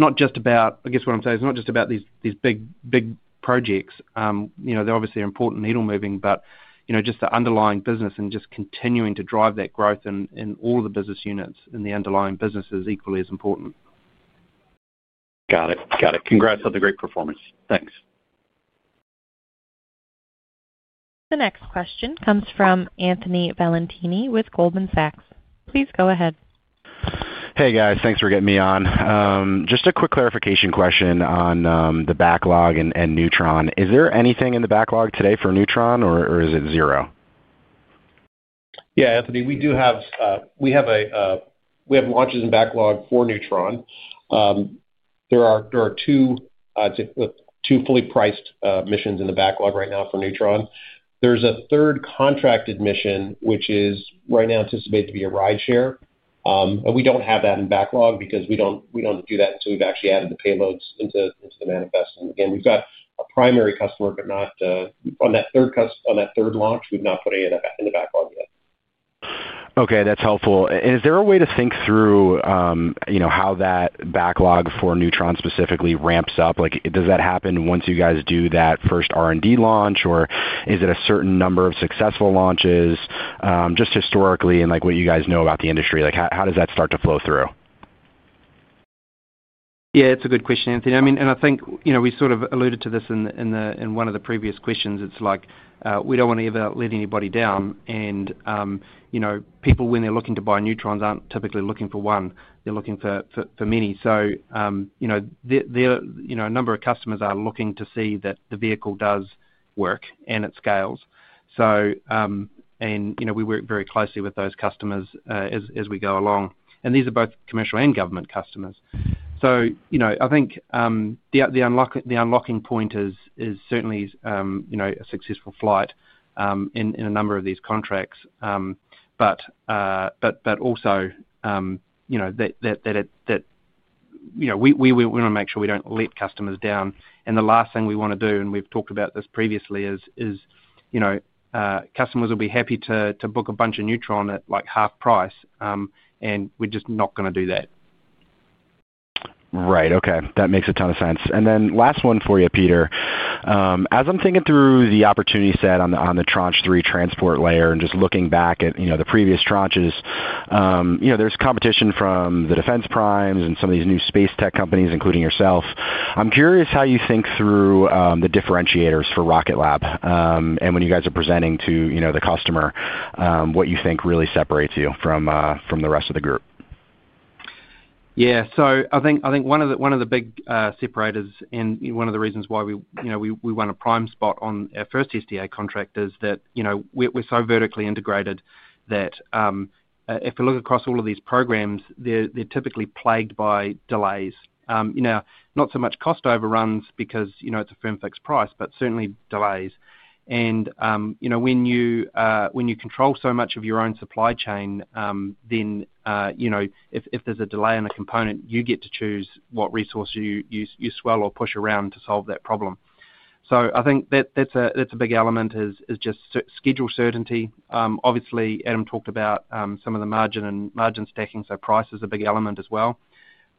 not just about, I guess what I'm saying, it's not just about these big projects. They obviously are important needle moving, but just the underlying business and just continuing to drive that growth in all of the business units and the underlying business is equally as important. Got it. Congrats on the great performance. Thanks. The next question comes from Anthony Valentini with Goldman Sachs. Please go ahead. Hey, guys. Thanks for getting me on. Just a quick clarification question on the backlog and Neutron. Is there anything in the backlog today for Neutron, or is it zero? Yeah, Anthony. We have launches in backlog for Neutron. There are two fully priced missions in the backlog right now for Neutron. There is a third contracted mission, which is right now anticipated to be a rideshare. We do not have that in backlog because we do not do that until we have actually added the payloads into the manifest. Again, we have got a primary customer, but not on that third launch, we have not put any of that in the backlog yet. Okay. That's helpful. Is there a way to think through how that backlog for Neutron specifically ramps up? Does that happen once you guys do that first R&D launch, or is it a certain number of successful launches? Just historically and what you guys know about the industry, how does that start to flow through? Yeah, it's a good question, Anthony. I think we sort of alluded to this in one of the previous questions. It's like we don't want to ever let anybody down. People, when they're looking to buy Neutrons, aren't typically looking for one. They're looking for many. A number of customers are looking to see that the vehicle does work and it scales. We work very closely with those customers as we go along. These are both commercial and government customers. I think the unlocking point is certainly a successful flight in a number of these contracts, but also that we want to make sure we don't let customers down. The last thing we want to do, and we've talked about this previously, is customers will be happy to book a bunch of Neutron at half price, and we're just not going to do that. Right. Okay. That makes a ton of sense. Last one for you, Peter. As I'm thinking through the opportunity set on the tranche three transport layer and just looking back at the previous tranches, there's competition from the defense primes and some of these new space tech companies, including yourself. I'm curious how you think through the differentiators for Rocket Lab and when you guys are presenting to the customer what you think really separates you from the rest of the group. Yeah. I think one of the big separators and one of the reasons why we won a prime spot on our first SDA contract is that we're so vertically integrated that if we look across all of these programs, they're typically plagued by delays. Not so much cost overruns because it's a firm fixed price, but certainly delays. When you control so much of your own supply chain, then if there's a delay on a component, you get to choose what resource you swell or push around to solve that problem. I think that's a big element, just schedule certainty. Obviously, Adam talked about some of the margin and margin stacking, so price is a big element as well.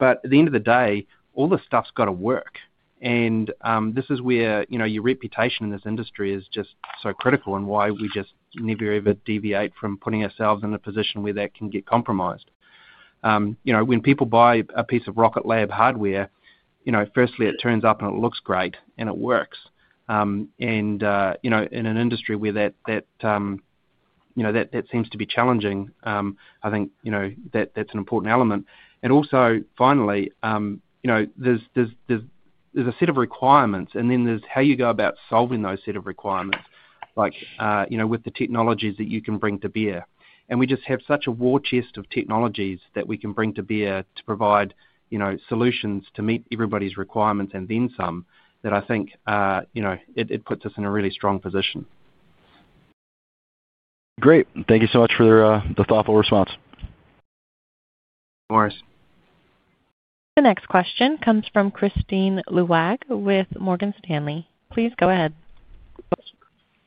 At the end of the day, all this stuff's got to work. This is where your reputation in this industry is just so critical and why we just never ever deviate from putting ourselves in a position where that can get compromised. When people buy a piece of Rocket Lab hardware, firstly, it turns up and it looks great and it works. In an industry where that seems to be challenging, I think that's an important element. Also, finally, there's a set of requirements, and then there's how you go about solving those set of requirements with the technologies that you can bring to bear. We just have such a war chest of technologies that we can bring to bear to provide solutions to meet everybody's requirements and then some that I think it puts us in a really strong position. Great. Thank you so much for the thoughtful response. No worries. The next question comes from Kristine Liwag with Morgan Stanley. Please go ahead.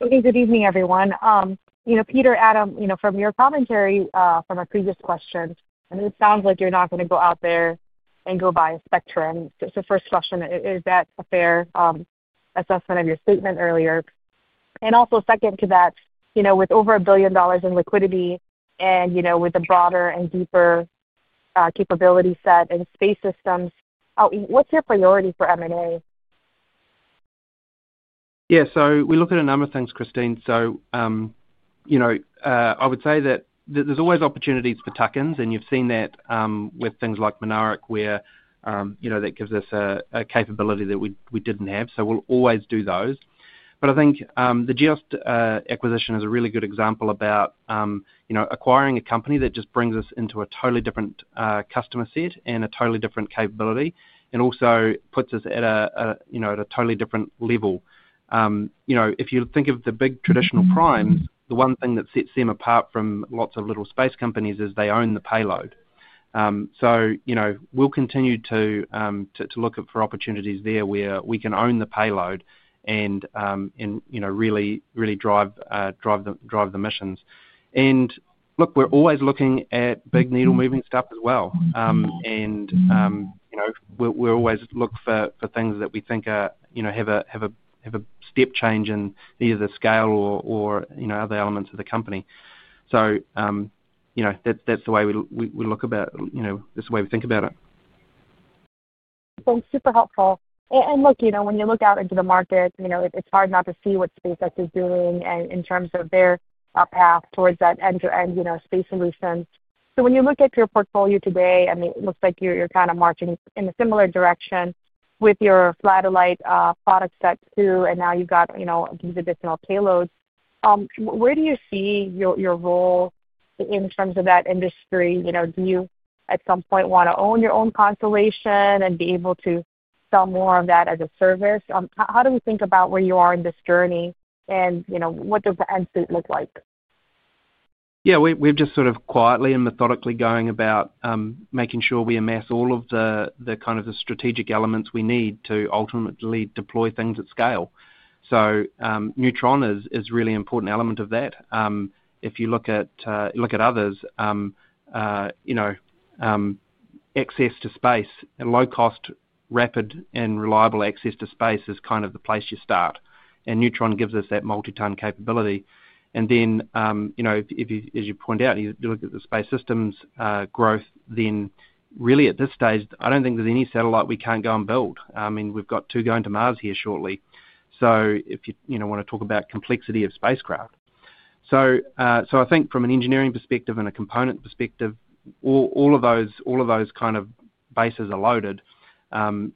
Okay. Good evening, everyone. Peter, Adam, from your commentary from a previous question, it sounds like you're not going to go out there and go buy a Spectrum. Is that a fair assessment of your statement earlier? Also, with over $1 billion in liquidity and with a broader and deeper capability set in space systems, what's your priority for M&A? Yeah. We look at a number of things, Christine. I would say that there's always opportunities for tuck-ins, and you've seen that with things like Mynaric, where that gives us a capability that we didn't have. We'll always do those. I think the GEOS acquisition is a really good example about acquiring a company that just brings us into a totally different customer set and a totally different capability and also puts us at a totally different level. If you think of the big traditional primes, the one thing that sets them apart from lots of little space companies is they own the payload. We'll continue to look for opportunities there where we can own the payload and really drive the missions. Look, we're always looking at big needle moving stuff as well. We always look for things that we think have a step change in either the scale or other elements of the company. That's the way we think about it. Sounds super helpful. Look, when you look out into the market, it's hard not to see what SpaceX is doing in terms of their path towards that end-to-end space solutions. When you look at your portfolio today, I mean, it looks like you're kind of marching in a similar direction with your satellite product set too, and now you've got these additional payloads. Where do you see your role in terms of that industry? Do you at some point want to own your own constellation and be able to sell more of that as a service? How do we think about where you are in this journey and what does the end state look like? Yeah. We're just sort of quietly and methodically going about making sure we amass all of the kind of the strategic elements we need to ultimately deploy things at scale. Neutron is a really important element of that. If you look at others, access to space, low-cost, rapid, and reliable access to space is kind of the place you start. Neutron gives us that multi-ton capability. As you point out, you look at the space systems growth, then really at this stage, I don't think there's any satellite we can't go and build. I mean, we've got two going to Mars here shortly. If you want to talk about complexity of spacecraft. I think from an engineering perspective and a component perspective, all of those kind of bases are loaded. We'll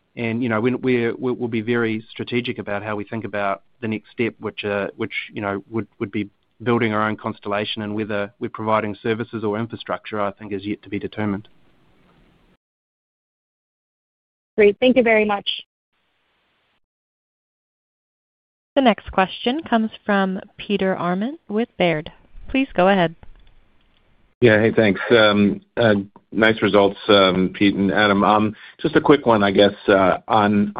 be very strategic about how we think about the next step, which would be building our own constellation and whether we're providing services or infrastructure, I think, is yet to be determined. Great. Thank you very much. The next question comes from Peter Arment with Baird. Please go ahead. Yeah. Hey, thanks. Nice results, Pete and Adam. Just a quick one, I guess. On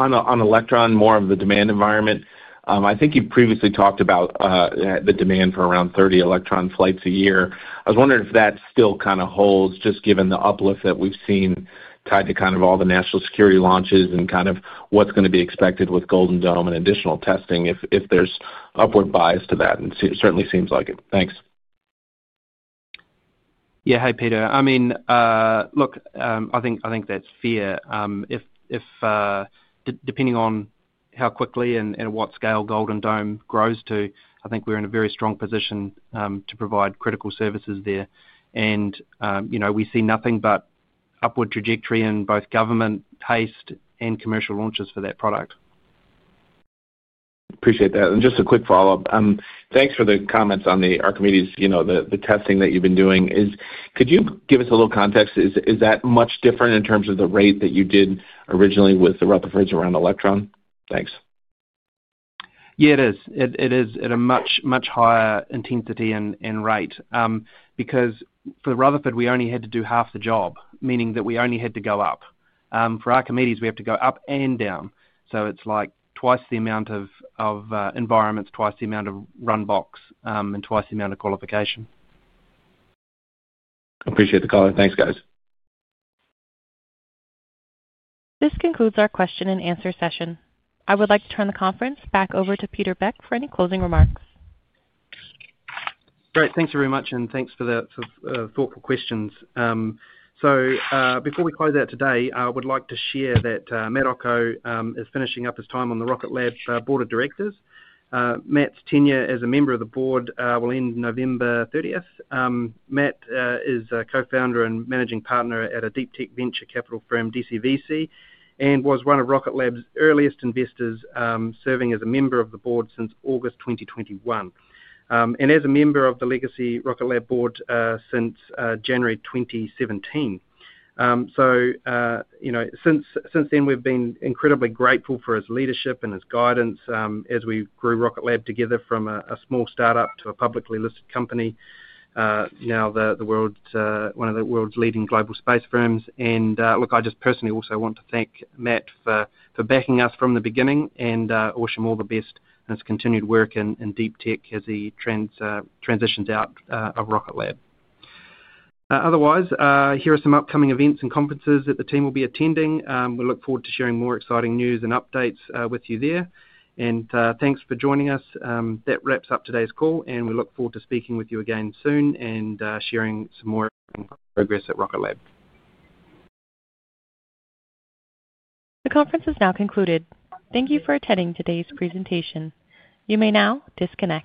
Electron, more of the demand environment, I think you've previously talked about the demand for around 30 Electron flights a year. I was wondering if that still kind of holds just given the uplift that we've seen tied to kind of all the national security launches and kind of what's going to be expected with Golden Dome and additional testing if there's upward bias to that. It certainly seems like it. Thanks. Yeah. Hey, Peter. I mean, look, I think that's fair. Depending on how quickly and at what scale Golden Dome grows to, I think we're in a very strong position to provide critical services there. We see nothing but upward trajectory in both government HASTE and commercial launches for that product. Appreciate that. And just a quick follow-up. Thanks for the comments on the Archimedes, the testing that you've been doing. Could you give us a little context? Is that much different in terms of the rate that you did originally with the Rutherfords around Electron? Thanks. Yeah, it is. It is at a much higher intensity and rate because for the Rutherford, we only had to do half the job, meaning that we only had to go up. For Archimedes, we have to go up and down. It is like twice the amount of environments, twice the amount of run box, and twice the amount of qualification. Appreciate the call. Thanks, guys. This concludes our question and answer session. I would like to turn the conference back over to Peter Beck for any closing remarks. Great. Thanks very much. Thanks for the thoughtful questions. Before we close out today, I would like to share that Matt Ocko is finishing up his time on the Rocket Lab Board of Directors. Matt's tenure as a member of the board will end November 30. Matt is a co-founder and managing partner at a deep tech venture capital firm, DCVC, and was one of Rocket Lab's earliest investors, serving as a member of the board since August 2021 and as a member of the legacy Rocket Lab board since January 2017. Since then, we've been incredibly grateful for his leadership and his guidance as we grew Rocket Lab together from a small startup to a publicly listed company, now one of the world's leading global space firms. I just personally also want to thank Matt for backing us from the beginning and wish him all the best in his continued work in deep tech as he transitions out of Rocket Lab. Otherwise, here are some upcoming events and conferences that the team will be attending. We look forward to sharing more exciting news and updates with you there. Thanks for joining us. That wraps up today's call, and we look forward to speaking with you again soon and sharing some more progress at Rocket Lab. The conference is now concluded. Thank you for attending today's presentation. You may now disconnect.